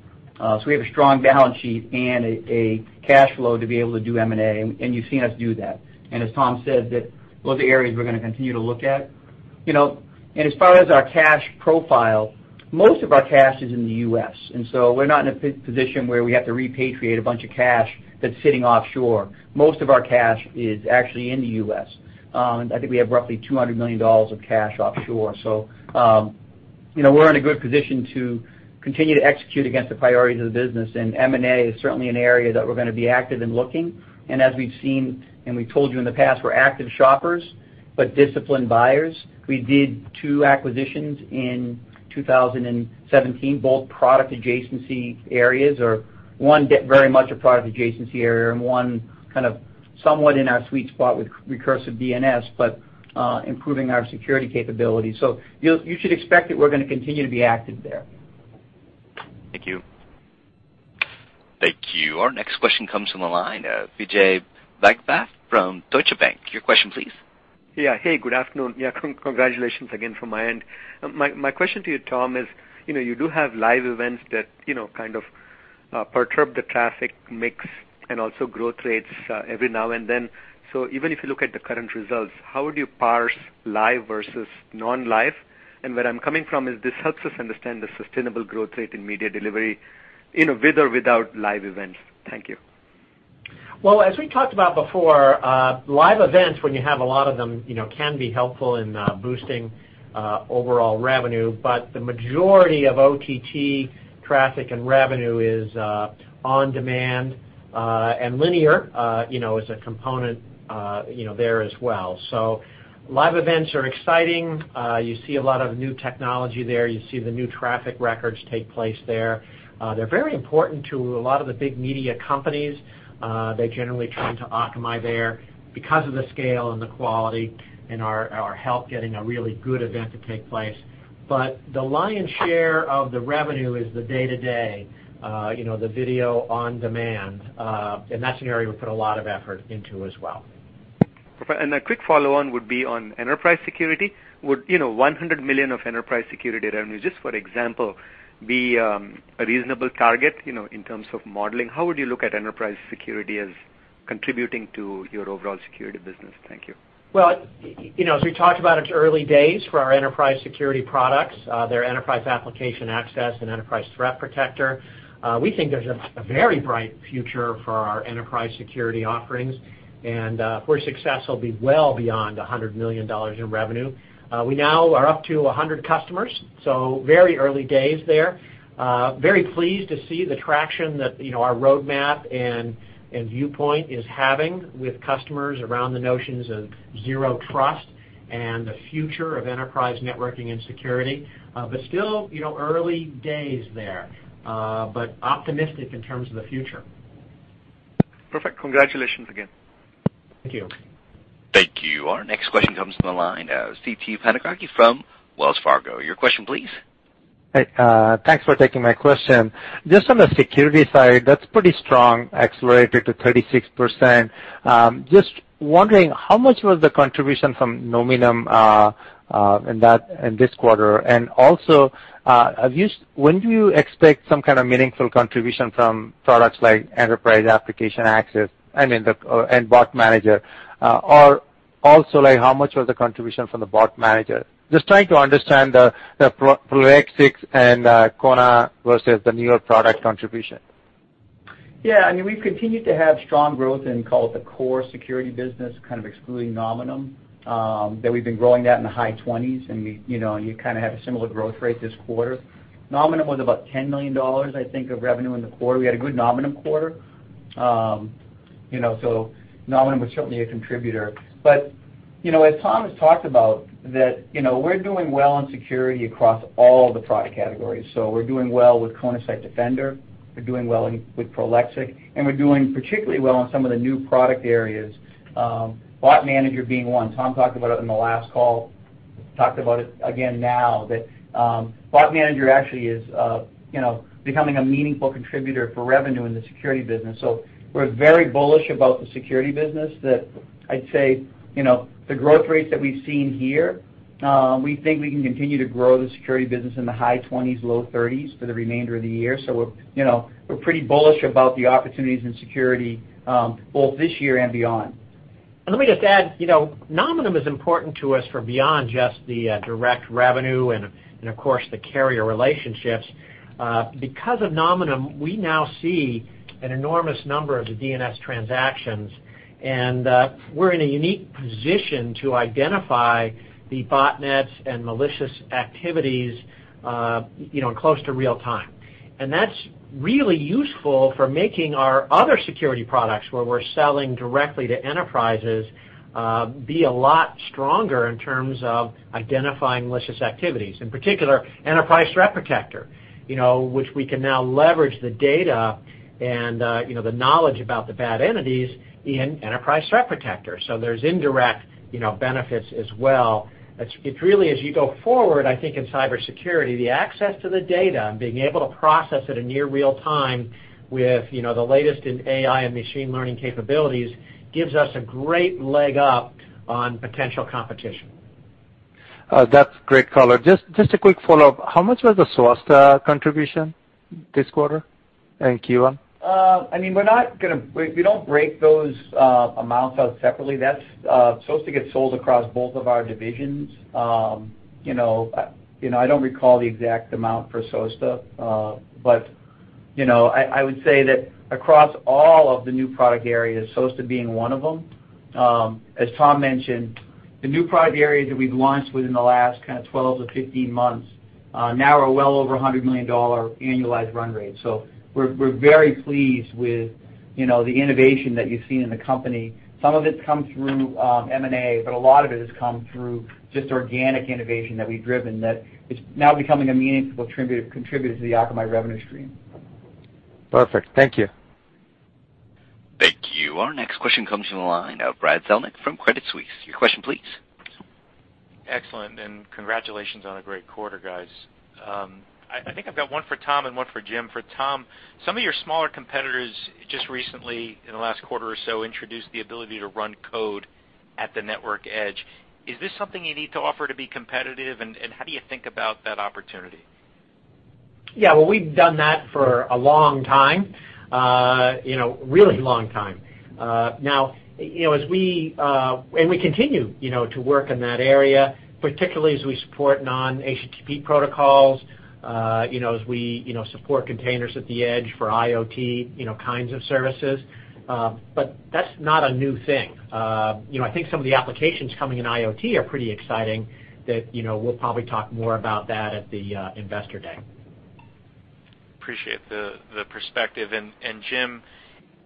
We have a strong balance sheet and a cash flow to be able to do M&A, and you've seen us do that. As Tom said, those are areas we're going to continue to look at. As far as our cash profile, most of our cash is in the U.S., and so we're not in a position where we have to repatriate a bunch of cash that's sitting offshore. Most of our cash is actually in the U.S. I think we have roughly $200 million of cash offshore. We're in a good position to continue to execute against the priorities of the business, and M&A is certainly an area that we're going to be active in looking. As we've seen and we've told you in the past, we're active shoppers, but disciplined buyers. We did two acquisitions in 2017, both product adjacency areas, or one very much a product adjacency area and one kind of Somewhat in our sweet spot with recursive DNS, but improving our security capabilities. You should expect that we're going to continue to be active there. Thank you. Thank you. Our next question comes from the line, Vijay Bhagavath from Deutsche Bank. Your question, please. Yeah. Hey, good afternoon. Yeah, congratulations again from my end. My question to you, Tom, is you do have live events that kind of perturb the traffic mix and also growth rates every now and then. Even if you look at the current results, how would you parse live versus non-live? Where I'm coming from is this helps us understand the sustainable growth rate in media delivery, with or without live events. Thank you. As we talked about before, live events, when you have a lot of them, can be helpful in boosting overall revenue, the majority of OTT traffic and revenue is on-demand, and linear is a component there as well. Live events are exciting. You see a lot of new technology there. You see the new traffic records take place there. They're very important to a lot of the big media companies. They generally turn to Akamai there because of the scale and the quality and our help getting a really good event to take place. The lion's share of the revenue is the day-to-day, the video on-demand, and that's an area we put a lot of effort into as well. Perfect. A quick follow-on would be on enterprise security. Would $100 million of enterprise security revenue, just for example, be a reasonable target in terms of modeling? How would you look at enterprise security as contributing to your overall security business? Thank you. As we talked about, it's early days for our enterprise security products, they're Enterprise Application Access and Enterprise Threat Protector. We think there's a very bright future for our enterprise security offerings, and for success will be well beyond $100 million in revenue. We now are up to 100 customers, very early days there. Very pleased to see the traction that our roadmap and viewpoint is having with customers around the notions of zero trust and the future of enterprise networking and security. Still early days there, but optimistic in terms of the future. Perfect. Congratulations again. Thank you. Thank you. Our next question comes from the line, Siti Panigrahi from Wells Fargo. Your question, please. Hey, thanks for taking my question. Just on the security side, that's pretty strong, accelerated to 36%. Just wondering, how much was the contribution from Nominum in this quarter? Also, when do you expect some kind of meaningful contribution from products like Enterprise Application Access and Bot Manager? Also, how much was the contribution from the Bot Manager? Just trying to understand the Prolexic and Kona versus the newer product contribution. Yeah. We've continued to have strong growth in, call it the core security business, kind of excluding Nominum, that we've been growing that in the high twenties, and you kind of have a similar growth rate this quarter. Nominum was about $10 million, I think, of revenue in the quarter. We had a good Nominum quarter. Nominum was certainly a contributor. But as Tom has talked about, that we're doing well in security across all the product categories. We're doing well with Kona Site Defender, we're doing well with Prolexic, and we're doing particularly well in some of the new product areas, Bot Manager being one. Tom talked about it in the last call, talked about it again now, that Bot Manager actually is becoming a meaningful contributor for revenue in the security business. We're very bullish about the security business that I'd say, the growth rates that we've seen here, we think we can continue to grow the security business in the high 20s, low 30s for the remainder of the year. We're pretty bullish about the opportunities in security, both this year and beyond. Let me just add, Nominum is important to us for beyond just the direct revenue and of course, the carrier relationships. Because of Nominum, we now see an enormous number of the DNS transactions, and we're in a unique position to identify the botnets and malicious activities in close to real time. That's really useful for making our other security products, where we're selling directly to enterprises, be a lot stronger in terms of identifying malicious activities, in particular, Enterprise Threat Protector, which we can now leverage the data and the knowledge about the bad entities in Enterprise Threat Protector. There's indirect benefits as well. It's really as you go forward, I think in cybersecurity, the access to the data and being able to process it in near real time with the latest in AI and machine learning capabilities gives us a great leg up on potential competition. That's great color. Just a quick follow-up. How much was the Source contribution this quarter and Q1? We don't break those amounts out separately. That's supposed to get sold across both of our divisions. I don't recall the exact amount for Source, but I would say that across all of the new product areas, Source being one of them, as Tom mentioned, the new product areas that we've launched within the last kind of 12 to 15 months now are well over $100 million annualized run rate. We're very pleased with the innovation that you've seen in the company. Some of it's come through M&A, but a lot of it has come through just organic innovation that we've driven that is now becoming a meaningful contributor to the Akamai revenue stream. Perfect. Thank you. Thank you. Our next question comes from the line of Brad Zelnick from Credit Suisse. Your question, please. Excellent. Congratulations on a great quarter, guys. I think I've got one for Tom and one for Jim. For Tom, some of your smaller competitors just recently, in the last quarter or so, introduced the ability to run code at the network edge. Is this something you need to offer to be competitive, and how do you think about that opportunity? Yeah, well, we've done that for a long time. A really long time. We continue to work in that area, particularly as we support non-HTTP protocols, as we support containers at the edge for IoT kinds of services. That's not a new thing. I think some of the applications coming in IoT are pretty exciting that we'll probably talk more about that at the investor day. Appreciate the perspective. Jim,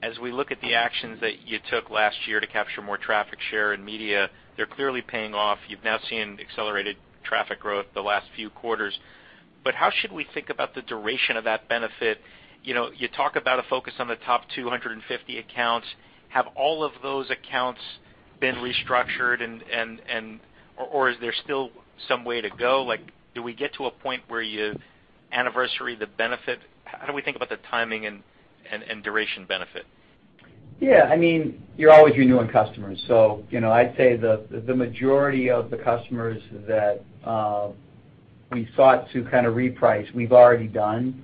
as we look at the actions that you took last year to capture more traffic share and media, they're clearly paying off. You've now seen accelerated traffic growth the last few quarters. How should we think about the duration of that benefit? You talk about a focus on the top 250 accounts. Have all of those accounts been restructured, or is there still some way to go? Do we get to a point where you anniversary the benefit? How do we think about the timing and duration benefit? Yeah. You're always renewing customers. I'd say the majority of the customers that we sought to reprice, we've already done.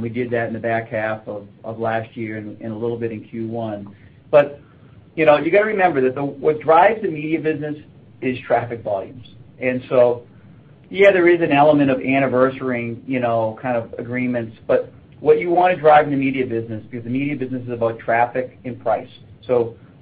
We did that in the back half of last year and a little bit in Q1. You got to remember that what drives the media business is traffic volumes. Yeah, there is an element of anniversarying kind of agreements. What you want to drive in the media business, because the media business is about traffic and price.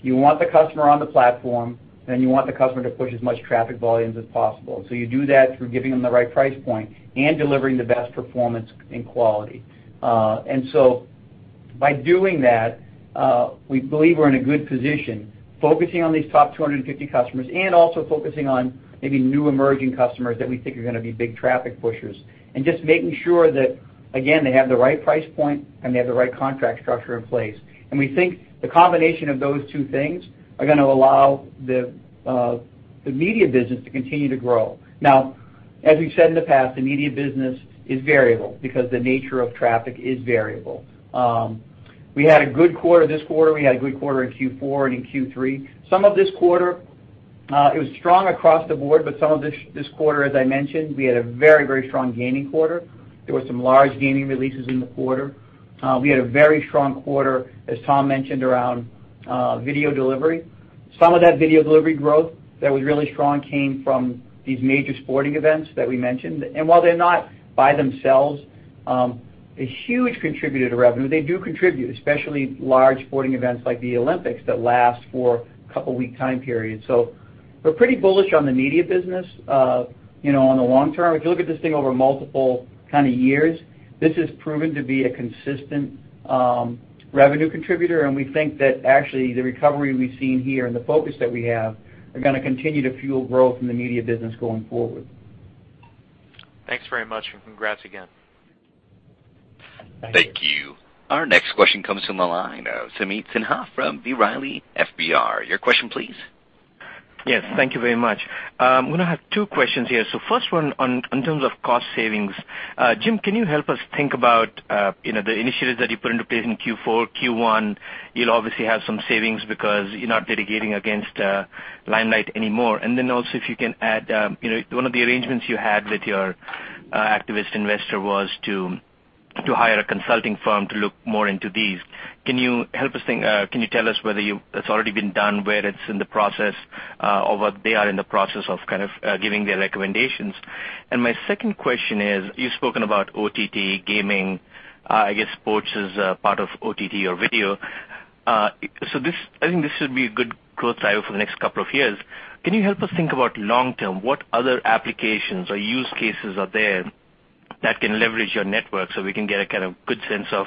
You want the customer on the platform, and you want the customer to push as much traffic volumes as possible. You do that through giving them the right price point and delivering the best performance and quality. By doing that, we believe we're in a good position focusing on these top 250 customers and also focusing on maybe new emerging customers that we think are going to be big traffic pushers. Just making sure that, again, they have the right price point, and they have the right contract structure in place. We think the combination of those two things are going to allow the media business to continue to grow. Now, as we've said in the past, the media business is variable because the nature of traffic is variable. We had a good quarter this quarter. We had a good quarter in Q4 and in Q3. It was strong across the board, but some of this quarter, as I mentioned, we had a very strong gaming quarter. There were some large gaming releases in the quarter. We had a very strong quarter, as Tom mentioned, around video delivery. Some of that video delivery growth that was really strong came from these major sporting events that we mentioned. While they're not, by themselves, a huge contributor to revenue, they do contribute, especially large sporting events like the Olympics that last for a couple of week time periods. We're pretty bullish on the media business on the long term. If you look at this thing over multiple kind of years, this has proven to be a consistent revenue contributor, we think that actually the recovery we've seen here and the focus that we have are going to continue to fuel growth in the media business going forward. Thanks very much, and congrats again. Thank you. Thank you. Our next question comes from the line of Sameet Sinha from B. Riley FBR. Your question, please. Yes. Thank you very much. I'm going to have two questions here. First one on, in terms of cost savings. Jim, can you help us think about the initiatives that you put into place in Q4, Q1? You'll obviously have some savings because you're not litigating against Limelight anymore. Also if you can add, one of the arrangements you had with your activist investor was to hire a consulting firm to look more into these. Can you tell us whether it's already been done, where it's in the process, or what they are in the process of kind of giving their recommendations? My second question is, you've spoken about OTT gaming. I guess sports is part of OTT or video. I think this should be a good growth driver for the next couple of years. Can you help us think about long term, what other applications or use cases are there that can leverage your network so we can get a kind of good sense of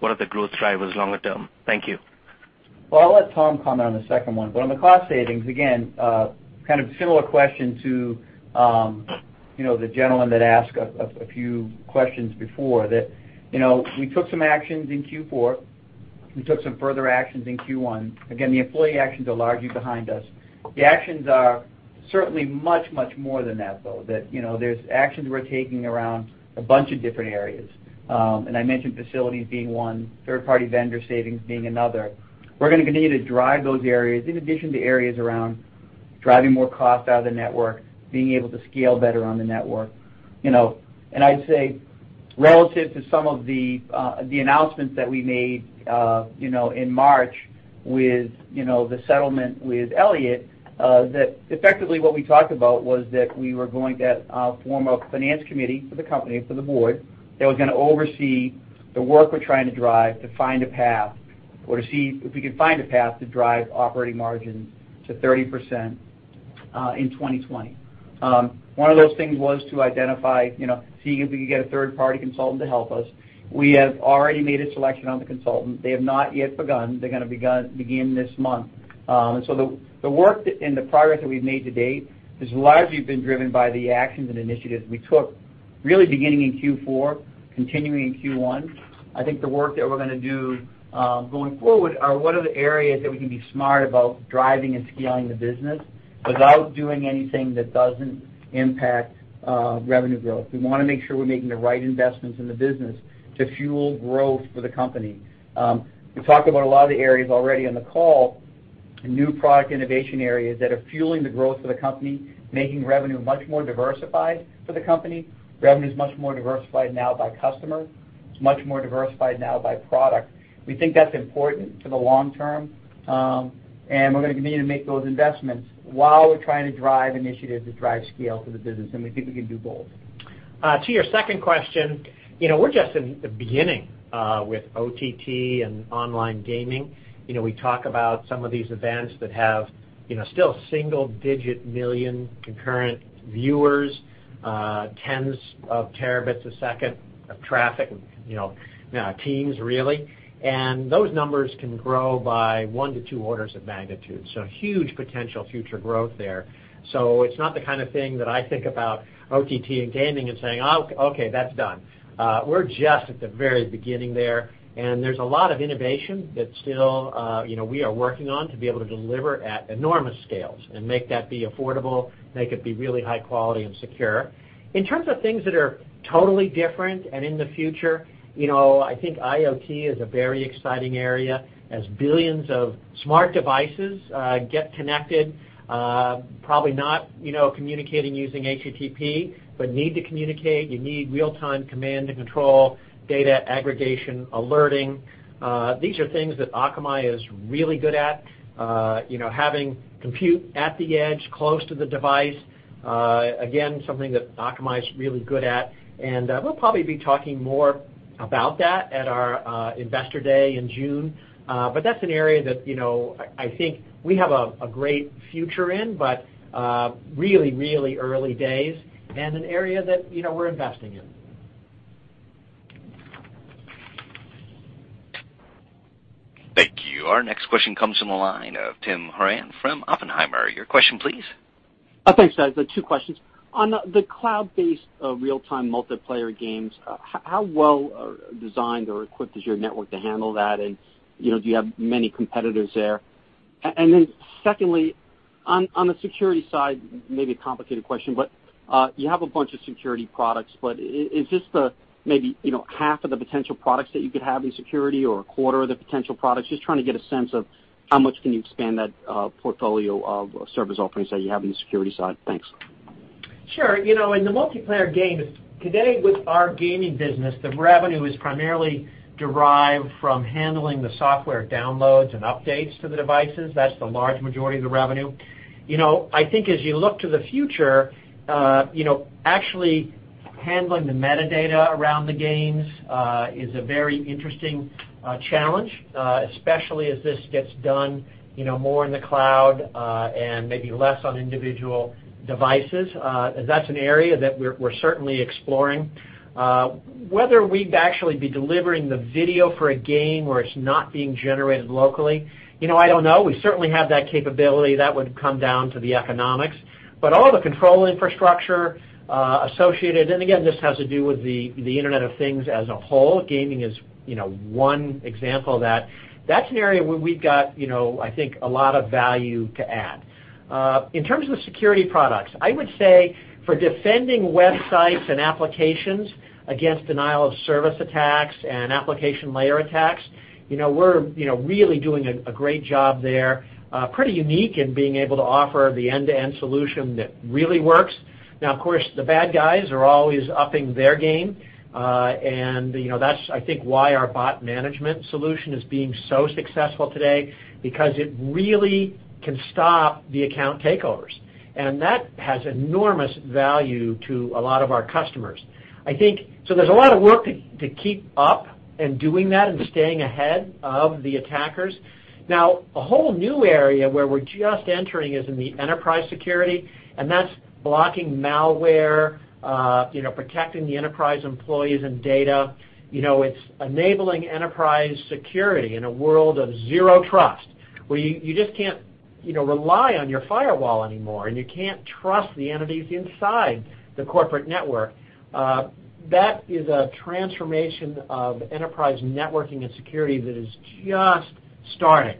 what are the growth drivers longer term? Thank you. Well, I'll let Tom comment on the second one. On the cost savings, again, kind of similar question to the gentleman that asked a few questions before that we took some actions in Q4. We took some further actions in Q1. Again, the employee actions are largely behind us. The actions are certainly much more than that, though, that there's actions we're taking around a bunch of different areas. I mentioned facilities being one, third-party vendor savings being another. We're going to continue to drive those areas in addition to areas around driving more cost out of the network, being able to scale better on the network. I'd say relative to some of the announcements that we made in March with the settlement with Elliott, that effectively what we talked about was that we were going to form a finance committee for the company, for the board, that was going to oversee the work we're trying to drive to find a path or to see if we could find a path to drive operating margin to 30% in 2020. One of those things was to identify, seeing if we could get a third-party consultant to help us. We have already made a selection on the consultant. They have not yet begun. They're going to begin this month. The work and the progress that we've made to date has largely been driven by the actions and initiatives we took Really beginning in Q4, continuing in Q1. I think the work that we're going to do going forward are what are the areas that we can be smart about driving and scaling the business without doing anything that doesn't impact revenue growth. We want to make sure we're making the right investments in the business to fuel growth for the company. We talked about a lot of the areas already on the call, new product innovation areas that are fueling the growth of the company, making revenue much more diversified for the company. Revenue is much more diversified now by customer. It's much more diversified now by product. We think that's important for the long term. We're going to continue to make those investments while we're trying to drive initiatives that drive scale for the business. We think we can do both. To your second question, we're just in the beginning with OTT and online gaming. We talk about some of these events that have still single-digit million concurrent viewers, tens of terabits a second of traffic, teens really. Those numbers can grow by one to two orders of magnitude. Huge potential future growth there. It's not the kind of thing that I think about OTT and gaming and saying, "Okay, that's done." We're just at the very beginning there, and there's a lot of innovation that still we are working on to be able to deliver at enormous scales and make that be affordable, make it be really high quality and secure. In terms of things that are totally different and in the future, I think IoT is a very exciting area. As billions of smart devices get connected, probably not communicating using HTTP, but need to communicate. You need real-time command and control, data aggregation, alerting. These are things that Akamai is really good at. Having compute at the edge close to the device, again, something that Akamai is really good at. We'll probably be talking more about that at our investor day in June. That's an area that, I think we have a great future in, but really early days and an area that we're investing in. Thank you. Our next question comes from the line of Tim Horan from Oppenheimer. Your question, please. Thanks, guys. Two questions. On the cloud-based real-time multiplayer games, how well designed or equipped is your network to handle that? Do you have many competitors there? Secondly, on the security side, maybe a complicated question, but you have a bunch of security products, but is this the maybe half of the potential products that you could have in security or a quarter of the potential products? Just trying to get a sense of how much can you expand that portfolio of service offerings that you have in the security side. Thanks. Sure. In the multiplayer games, today with our gaming business, the revenue is primarily derived from handling the software downloads and updates to the devices. That's the large majority of the revenue. I think as you look to the future, actually handling the metadata around the games is a very interesting challenge, especially as this gets done more in the cloud and maybe less on individual devices. That's an area that we're certainly exploring. Whether we'd actually be delivering the video for a game where it's not being generated locally, I don't know. We certainly have that capability. That would come down to the economics. All the control infrastructure associated, and again, this has to do with the Internet of Things as a whole. Gaming is one example of that. That's an area where we've got I think a lot of value to add. In terms of the security products, I would say for defending websites and applications against denial-of-service attacks and application layer attacks, we're really doing a great job there. Pretty unique in being able to offer the end-to-end solution that really works. Of course, the bad guys are always upping their game. That's, I think, why our bot management solution is being so successful today, because it really can stop the account takeovers. That has enormous value to a lot of our customers. There's a lot of work to keep up and doing that and staying ahead of the attackers. A whole new area where we're just entering is in the enterprise security, and that's blocking malware, protecting the enterprise employees and data. It's enabling enterprise security in a world of zero trust, where you just can't rely on your firewall anymore, and you can't trust the entities inside the corporate network. That is a transformation of enterprise networking and security that is just starting.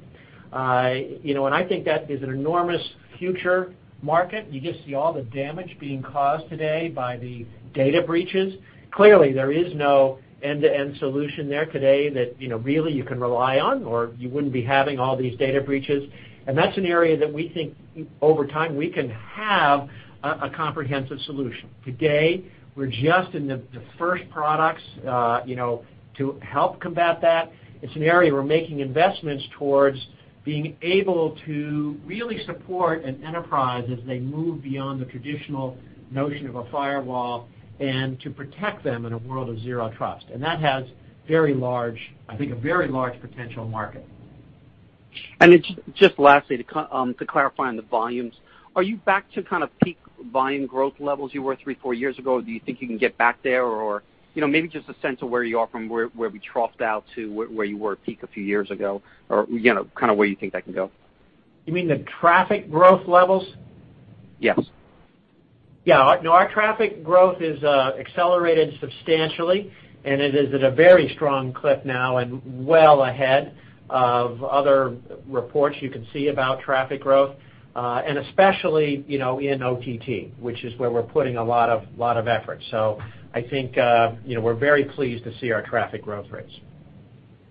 I think that is an enormous future market. You just see all the damage being caused today by the data breaches. Clearly, there is no end-to-end solution there today that really you can rely on, or you wouldn't be having all these data breaches. That's an area that we think over time, we can have a comprehensive solution. Today, we're just in the first products to help combat that. It's an area we're making investments towards being able to really support an enterprise as they move beyond the traditional notion of a firewall and to protect them in a world of zero trust. That has, I think, a very large potential market. Just lastly, to clarify on the volumes, are you back to kind of peak volume growth levels you were three, four years ago? Do you think you can get back there? Or maybe just a sense of where you are from where we troughed out to where you were at peak a few years ago, or kind of where you think that can go. You mean the traffic growth levels? Yes. Yeah. No, our traffic growth is accelerated substantially, and it is at a very strong clip now and well ahead of other reports you can see about traffic growth, and especially, in OTT, which is where we're putting a lot of effort. I think, we're very pleased to see our traffic growth rates.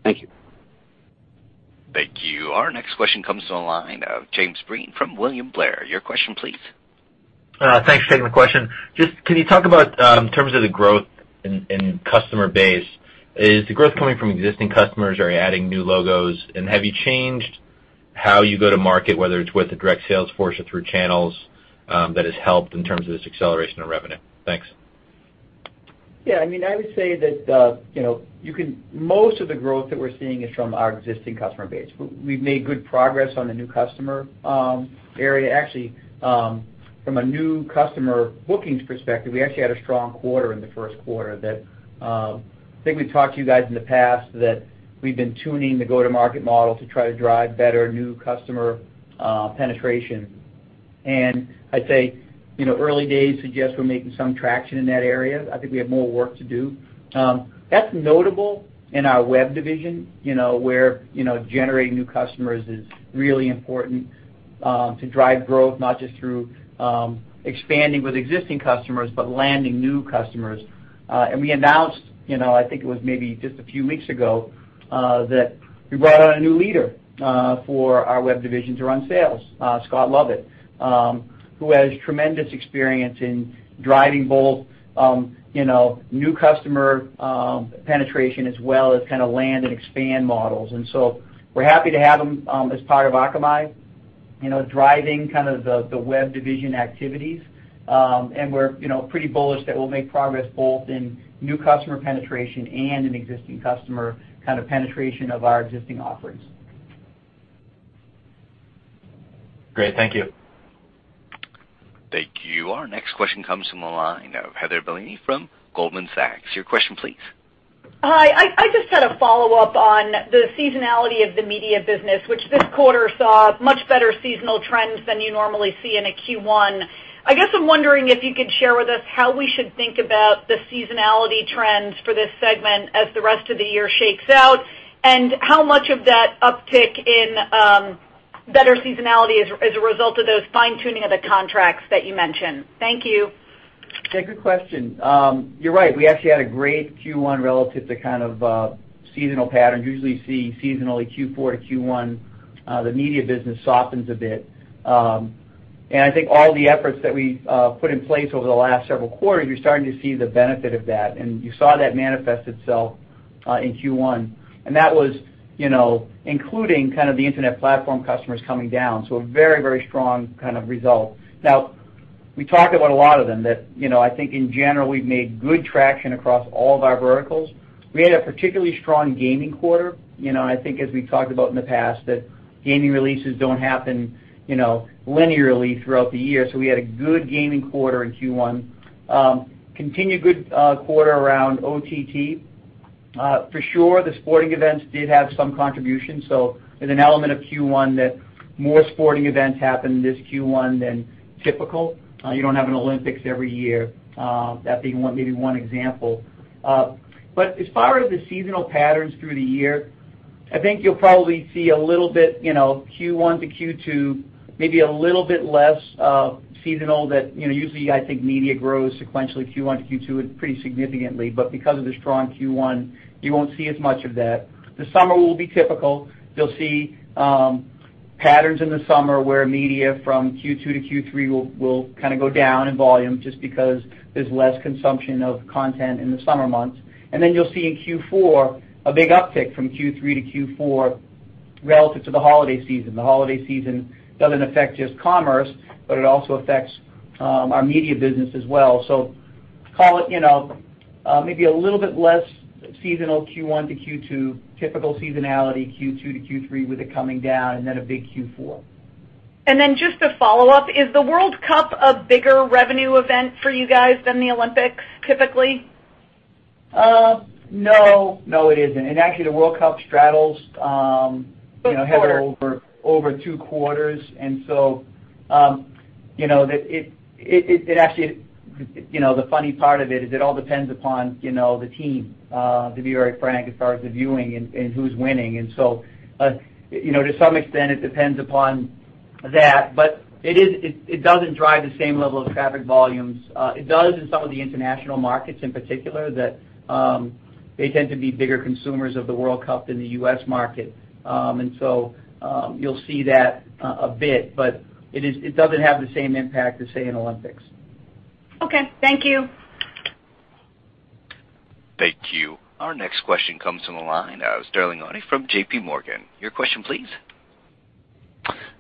Thank you. Thank you. Our next question comes on the line of James Breen from William Blair. Your question, please. Thanks for taking the question. Can you talk about, in terms of the growth in customer base, is the growth coming from existing customers or adding new logos? Have you changed how you go to market, whether it's with a direct sales force or through channels, that has helped in terms of this acceleration of revenue? Thanks. I would say that most of the growth that we're seeing is from our existing customer base. We've made good progress on the new customer area. Actually, from a new customer bookings perspective, we actually had a strong quarter in the first quarter that, I think we've talked to you guys in the past that we've been tuning the go-to-market model to try to drive better new customer penetration. I'd say, early days suggest we're making some traction in that area. I think we have more work to do. That's notable in our Web Division, where generating new customers is really important to drive growth, not just through expanding with existing customers, but landing new customers. We announced, I think it was maybe just a few weeks ago, that we brought on a new leader for our Web Division to run sales, Scott Lovett, who has tremendous experience in driving both new customer penetration as well as kind of land and expand models. We're happy to have him as part of Akamai, driving kind of the Web Division activities. We're pretty bullish that we'll make progress both in new customer penetration and in existing customer penetration of our existing offerings. Great. Thank you. Thank you. Our next question comes from the line of Heather Bellini from Goldman Sachs. Your question, please. Hi. I just had a follow-up on the seasonality of the media business, which this quarter saw much better seasonal trends than you normally see in a Q1. I guess I'm wondering if you could share with us how we should think about the seasonality trends for this segment as the rest of the year shakes out, and how much of that uptick in better seasonality is a result of those fine-tuning of the contracts that you mentioned. Thank you. Yeah, good question. You're right. We actually had a great Q1 relative to kind of seasonal patterns. Usually see seasonally Q4 to Q1, the media business softens a bit. I think all the efforts that we've put in place over the last several quarters, you're starting to see the benefit of that, you saw that manifest itself in Q1. That was including kind of the internet platform customers coming down, so a very strong kind of result. Now, we talked about a lot of them, that I think in general, we've made good traction across all of our verticals. We had a particularly strong gaming quarter. I think as we've talked about in the past that gaming releases don't happen linearly throughout the year, so we had a good gaming quarter in Q1. Continued good quarter around OTT. For sure, the sporting events did have some contribution. There's an element of Q1 that more sporting events happened this Q1 than typical. You don't have an Olympics every year, that being maybe one example. As far as the seasonal patterns through the year, I think you'll probably see a little bit, Q1 to Q2, maybe a little bit less seasonal that, usually I think media grows sequentially Q1 to Q2 pretty significantly, but because of the strong Q1, you won't see as much of that. The summer will be typical. You'll see patterns in the summer where media from Q2 to Q3 will kind of go down in volume just because there's less consumption of content in the summer months. You'll see in Q4 a big uptick from Q3 to Q4 relative to the holiday season. The holiday season doesn't affect just commerce. It also affects our media business as well. Call it, maybe a little bit less seasonal Q1 to Q2, typical seasonality Q2 to Q3 with it coming down and then a big Q4. Just a follow-up, is the World Cup a bigger revenue event for you guys than the Olympics typically? No, it isn't. Actually the World Cup straddles. Both quarters over two quarters. The funny part of it is it all depends upon the team, to be very frank, as far as the viewing and who's winning. To some extent, it depends upon that, but it doesn't drive the same level of traffic volumes. It does in some of the international markets in particular, that they tend to be bigger consumers of the World Cup than the U.S. market. You'll see that a bit, but it doesn't have the same impact as, say, an Olympics. Okay. Thank you. Thank you. Our next question comes from the line of Sterling Auty from JPMorgan. Your question, please.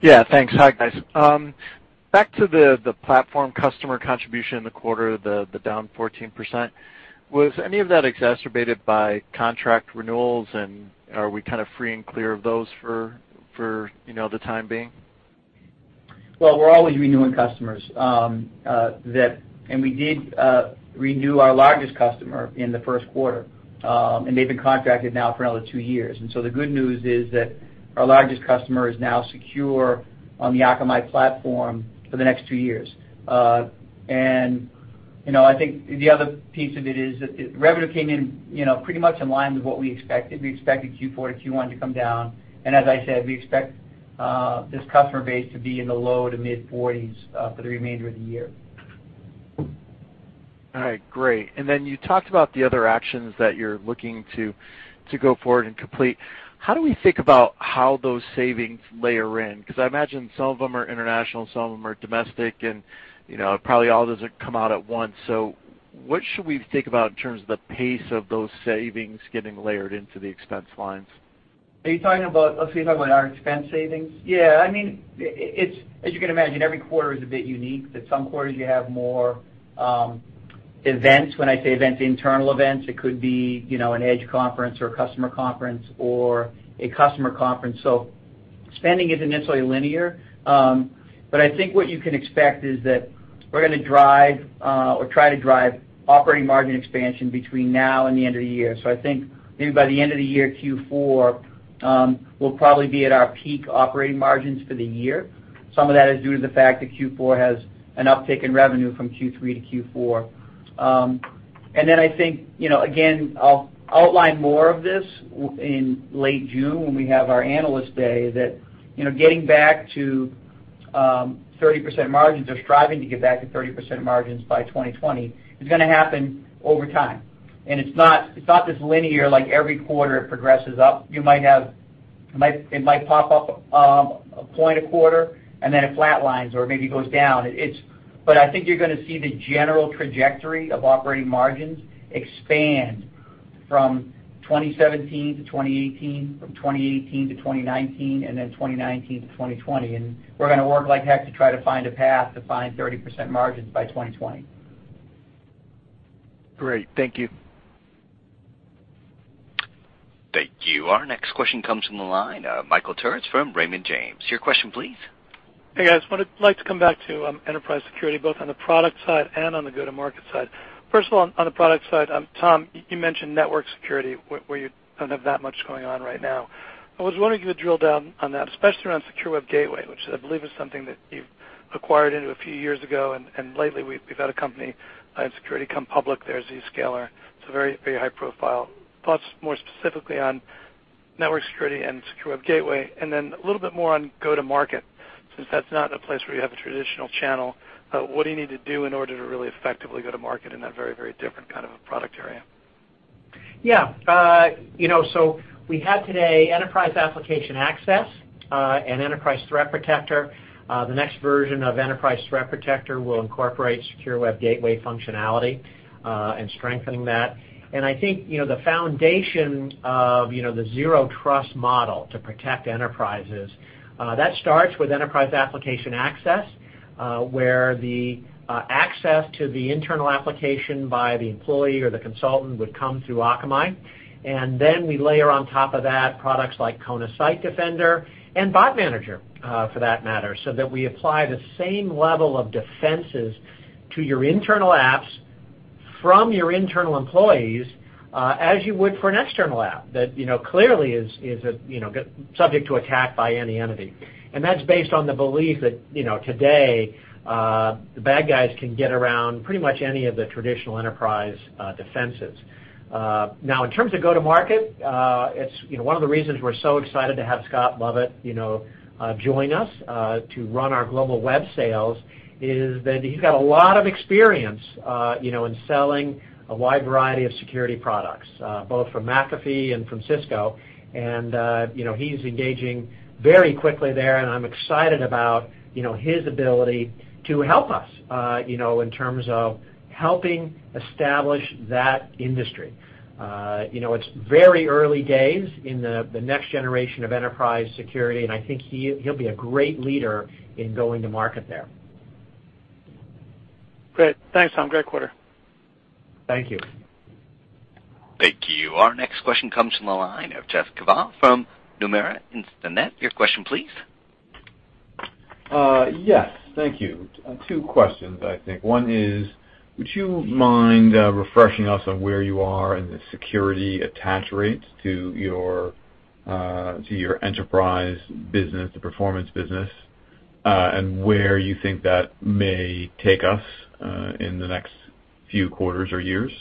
Yeah, thanks. Hi, guys. Back to the platform customer contribution in the quarter, the down 14%, was any of that exacerbated by contract renewals, and are we kind of free and clear of those for the time being? Well, we're always renewing customers. We did renew our largest customer in the first quarter, and they've been contracted now for another two years. The good news is that our largest customer is now secure on the Akamai platform for the next two years. I think the other piece of it is that revenue came in pretty much in line with what we expected. We expected Q4 to Q1 to come down, and as I said, we expect this customer base to be in the low to mid-40s for the remainder of the year. All right, great. You talked about the other actions that you're looking to go forward and complete. How do we think about how those savings layer in? Because I imagine some of them are international, some of them are domestic, and probably all doesn't come out at once. What should we think about in terms of the pace of those savings getting layered into the expense lines? Are you talking about, let's see, talking about our expense savings? Yeah. As you can imagine, every quarter is a bit unique, that some quarters you have more events. When I say events, internal events, it could be an edge conference or a customer conference. Spending isn't necessarily linear. I think what you can expect is that we're going to drive, or try to drive operating margin expansion between now and the end of the year. I think maybe by the end of the year, Q4, we'll probably be at our peak operating margins for the year. Some of that is due to the fact that Q4 has an uptick in revenue from Q3 to Q4. I think, again, I'll outline more of this in late June when we have our analyst day, that getting back to 30% margins or striving to get back to 30% margins by 2020 is going to happen over time. It's not this linear, like every quarter it progresses up. It might pop up a point a quarter, and then it flat lines or maybe goes down. I think you're going to see the general trajectory of operating margins expand from 2017 to 2018, from 2018 to 2019, and then 2019 to 2020. We're going to work like heck to try to find a path to find 30% margins by 2020. Great. Thank you. Thank you. Our next question comes from the line, Michael Turits from Raymond James. Your question, please. Hey, guys. I would like to come back to enterprise security, both on the product side and on the go-to-market side. First of all, on the product side, Tom, you mentioned network security, where you don't have that much going on right now. I was wondering if you could drill down on that, especially around Secure Web Gateway, which I believe is something that you've acquired into a few years ago. Lately we've had a company in security come public there, Zscaler. It's very high profile. Thoughts more specifically on network security and Secure Web Gateway. Then a little bit more on go-to-market, since that's not a place where you have a traditional channel. What do you need to do in order to really effectively go to market in that very different kind of a product area? Yeah. We have today Enterprise Application Access and Enterprise Threat Protector. The next version of Enterprise Threat Protector will incorporate Secure Web Gateway functionality and strengthening that. I think, the foundation of the zero trust model to protect enterprises, that starts with Enterprise Application Access, where the access to the internal application by the employee or the consultant would come through Akamai. Then we layer on top of that products like Kona Site Defender and Bot Manager, for that matter, so that we apply the same level of defenses to your internal apps from your internal employees, as you would for an external app that clearly is subject to attack by any entity. That's based on the belief that today, the bad guys can get around pretty much any of the traditional enterprise defenses. Now, in terms of go-to-market, one of the reasons we're so excited to have Scott Lovett join us to run our global web sales is that he's got a lot of experience in selling a wide variety of security products, both from McAfee and from Cisco. He's engaging very quickly there. I'm excited about his ability to help us, in terms of helping establish that industry. It's very early days in the next generation of enterprise security. I think he'll be a great leader in going to market there. Great. Thanks, Tom. Great quarter. Thank you. Thank you. Our next question comes from the line of Jeff Van Rhee from Craig-Hallum. Your question, please. Yes. Thank you. Two questions, I think. One is, would you mind refreshing us on where you are in the security attach rates to your enterprise business, the performance business, and where you think that may take us in the next few quarters or years?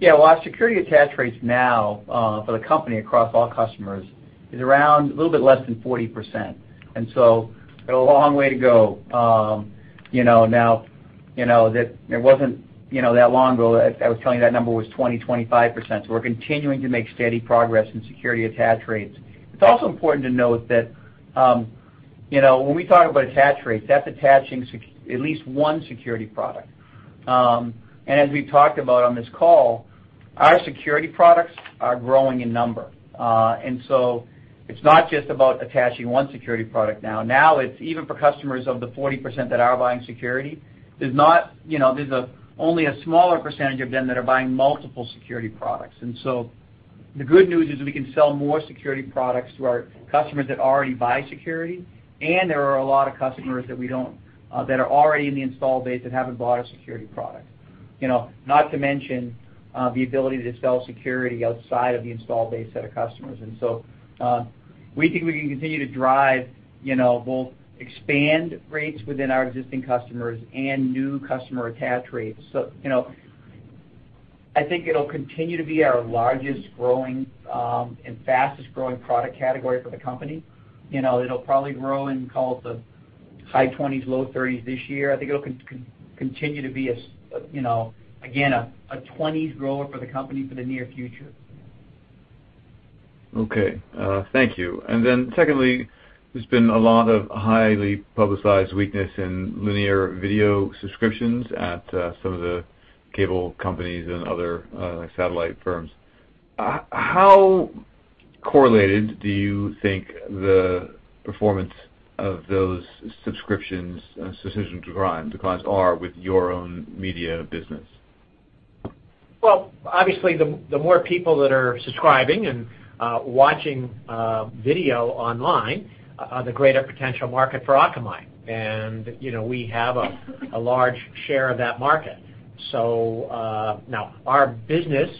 Yeah. Well, our security attach rates now for the company across all customers is around a little bit less than 40%. Got a long way to go. Now, it wasn't that long ago that I was telling you that number was 20, 25%. We're continuing to make steady progress in security attach rates. It's also important to note that when we talk about attach rates, that's attaching at least one security product. As we've talked about on this call, our security products are growing in number. It's not just about attaching one security product now. The good news is we can sell more security products to our customers that already buy security, and there are a lot of customers that are already in the install base that haven't bought a security product. Not to mention, the ability to sell security outside of the install base set of customers. We think we can continue to drive, both expand rates within our existing customers and new customer attach rates. I think it'll continue to be our largest growing and fastest-growing product category for the company. It'll probably grow in, call it, the high 20s, low 30s this year. I think it'll continue to be, again, a 20s grower for the company for the near future. Okay. Thank you. Secondly, there's been a lot of highly publicized weakness in linear video subscriptions at some of the cable companies and other satellite firms. How correlated do you think the performance of those subscriptions are with your own media business? Well, obviously the more people that are subscribing and watching video online, the greater potential market for Akamai. We have a large share of that market. Our business,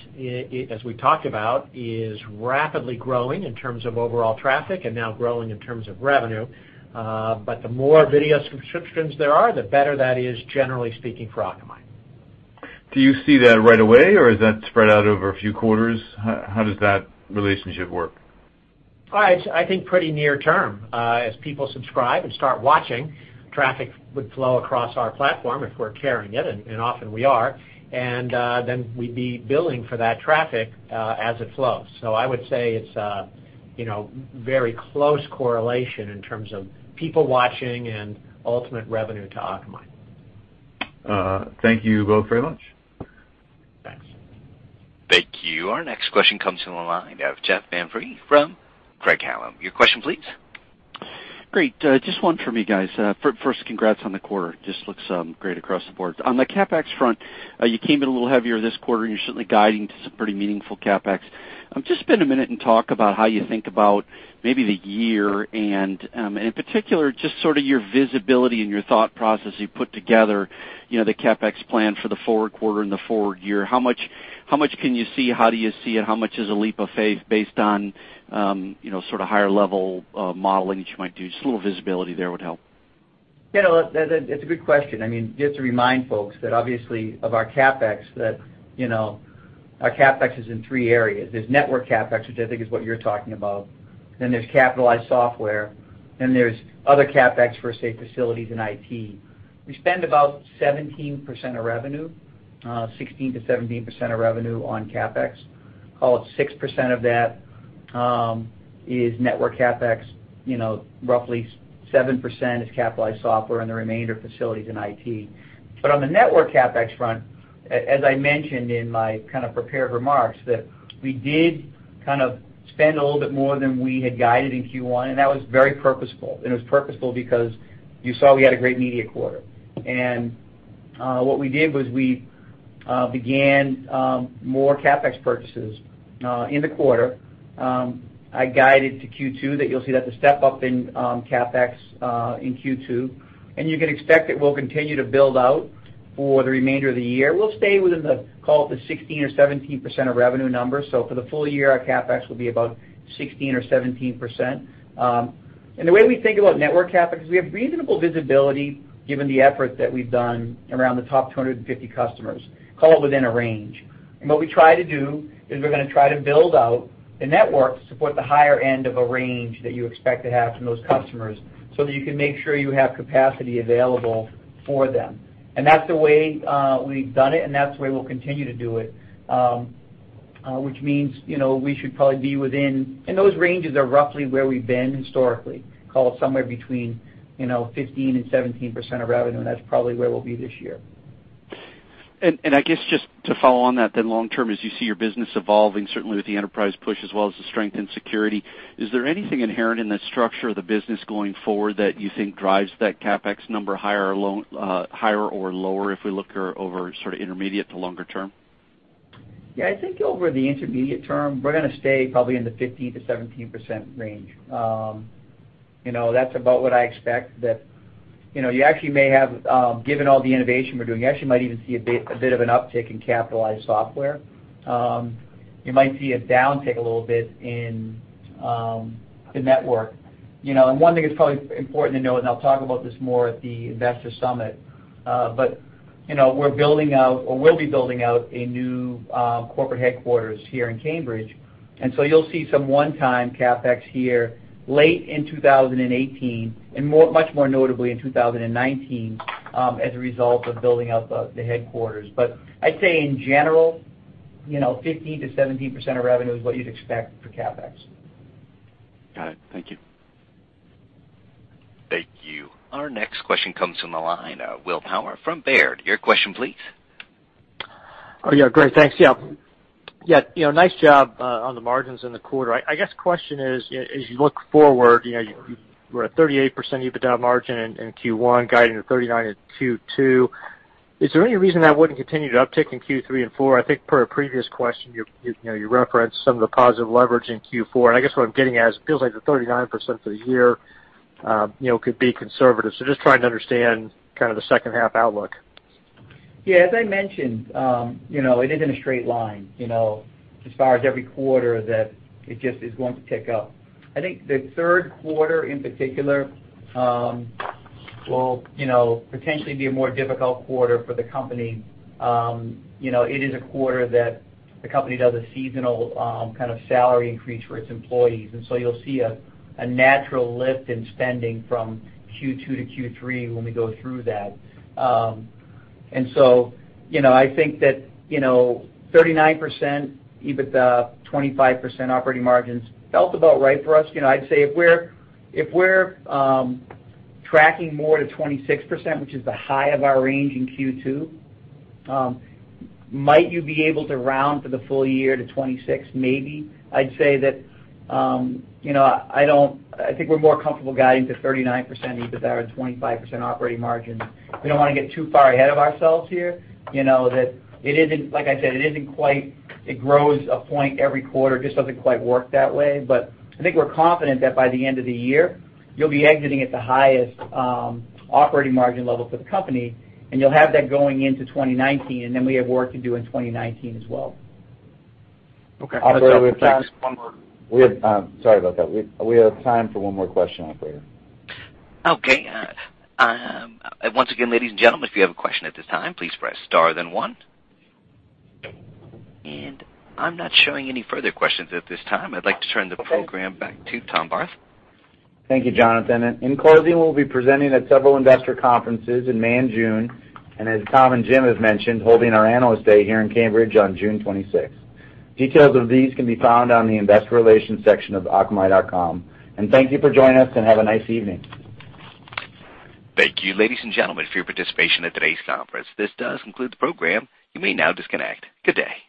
as we talked about, is rapidly growing in terms of overall traffic and now growing in terms of revenue. The more video subscriptions there are, the better that is generally speaking for Akamai. Do you see that right away, or is that spread out over a few quarters? How does that relationship work? It's, I think, pretty near term. As people subscribe and start watching, traffic would flow across our platform if we're carrying it, and often we are. Then we'd be billing for that traffic, as it flows. I would say it's very close correlation in terms of people watching and ultimate revenue to Akamai. Thank you both very much. Thanks. Thank you. Our next question comes from the line of Jeff Van Rhee from Craig-Hallum. Your question, please. Great. Just one from me, guys. First, congrats on the quarter. Just looks great across the board. On the CapEx front, you came in a little heavier this quarter, and you're certainly guiding to some pretty meaningful CapEx. Just spend a minute and talk about how you think about maybe the year and, in particular, just sort of your visibility and your thought process as you put together the CapEx plan for the forward quarter and the forward year. How much can you see? How do you see it? How much is a leap of faith based on sort of higher-level modeling that you might do? Just a little visibility there would help. It's a good question. I mean, just to remind folks that obviously, of our CapEx, that our CapEx is in three areas. There's network CapEx, which I think is what you're talking about, then there's capitalized software, then there's other CapEx for, say, facilities and IT. We spend about 17% of revenue, 16%-17% of revenue on CapEx. Call it 6% of that is network CapEx, roughly 7% is capitalized software and the remainder facilities and IT. On the network CapEx front, as I mentioned in my kind of prepared remarks, that we did kind of spend a little bit more than we had guided in Q1, and that was very purposeful. It was purposeful because you saw we had a great media quarter. What we did was we began more CapEx purchases in the quarter. I guided to Q2 that you'll see that's a step-up in CapEx in Q2. You can expect that we'll continue to build out for the remainder of the year. We'll stay within the, call it the 16% or 17% of revenue numbers. For the full year, our CapEx will be about 16% or 17%. The way we think about network CapEx is we have reasonable visibility given the effort that we've done around the top 250 customers, call it within a range. What we try to do is we're going to try to build out the network to support the higher end of a range that you expect to have from those customers so that you can make sure you have capacity available for them. That's the way we've done it, and that's the way we'll continue to do it, which means, those ranges are roughly where we've been historically, call it somewhere between 15%-17% of revenue, that's probably where we'll be this year. I guess just to follow on that then long term, as you see your business evolving, certainly with the enterprise push as well as the strength in security, is there anything inherent in the structure of the business going forward that you think drives that CapEx number higher or lower if we look over sort of intermediate to longer term? I think over the intermediate term, we're going to stay probably in the 15%-17% range. That's about what I expect that given all the innovation we're doing, you actually might even see a bit of an uptick in capitalized software. You might see a downtick a little bit in the network. One thing that's probably important to note, and I'll talk about this more at the investor summit, we're building out, or will be building out a new corporate headquarters here in Cambridge. You'll see some one-time CapEx here late in 2018 and much more notably in 2019, as a result of building out the headquarters. I'd say in general, 15%-17% of revenue is what you'd expect for CapEx. Got it. Thank you. Thank you. Our next question comes from the line of William Power from Baird. Your question, please. Great. Thanks. Nice job on the margins in the quarter. I guess the question is, as you look forward, you were at 38% EBITDA margin in Q1, guiding to 39% in Q2. Is there any reason that wouldn't continue to uptick in Q3 and four? I think per a previous question, you referenced some of the positive leverage in Q4, I guess what I'm getting at is it feels like the 39% for the year could be conservative. Just trying to understand the second half outlook. As I mentioned, it isn't a straight line, as far as every quarter that it just is going to tick up. I think the third quarter in particular will potentially be a more difficult quarter for the company. It is a quarter that the company does a seasonal salary increase for its employees, you'll see a natural lift in spending from Q2 to Q3 when we go through that. I think that 39% EBITDA, 25% operating margins felt about right for us. I'd say if we're tracking more to 26%, which is the high of our range in Q2, might you be able to round for the full year to 26? Maybe. I'd say that I think we're more comfortable guiding to 39% EBITDA and 25% operating margin. We don't want to get too far ahead of ourselves here. Like I said, it grows a point every quarter. It just doesn't quite work that way. I think we're confident that by the end of the year, you'll be exiting at the highest operating margin level for the company, you'll have that going into 2019, then we have work to do in 2019 as well. Okay. Operator, we have time for one more. Sorry about that. We have time for one more question, operator. Once again, ladies and gentlemen, if you have a question at this time, please press star then one. I'm not showing any further questions at this time. I'd like to turn the program back to Tom Barth. Thank you, Jonathan. In closing, we'll be presenting at several investor conferences in May and June, and as Tom and Jim have mentioned, holding our Analyst Day here in Cambridge on June 26th. Details of these can be found on the investor relations section of akamai.com. Thank you for joining us, and have a nice evening. Thank you, ladies and gentlemen, for your participation in today's conference. This does conclude the program. You may now disconnect. Good day.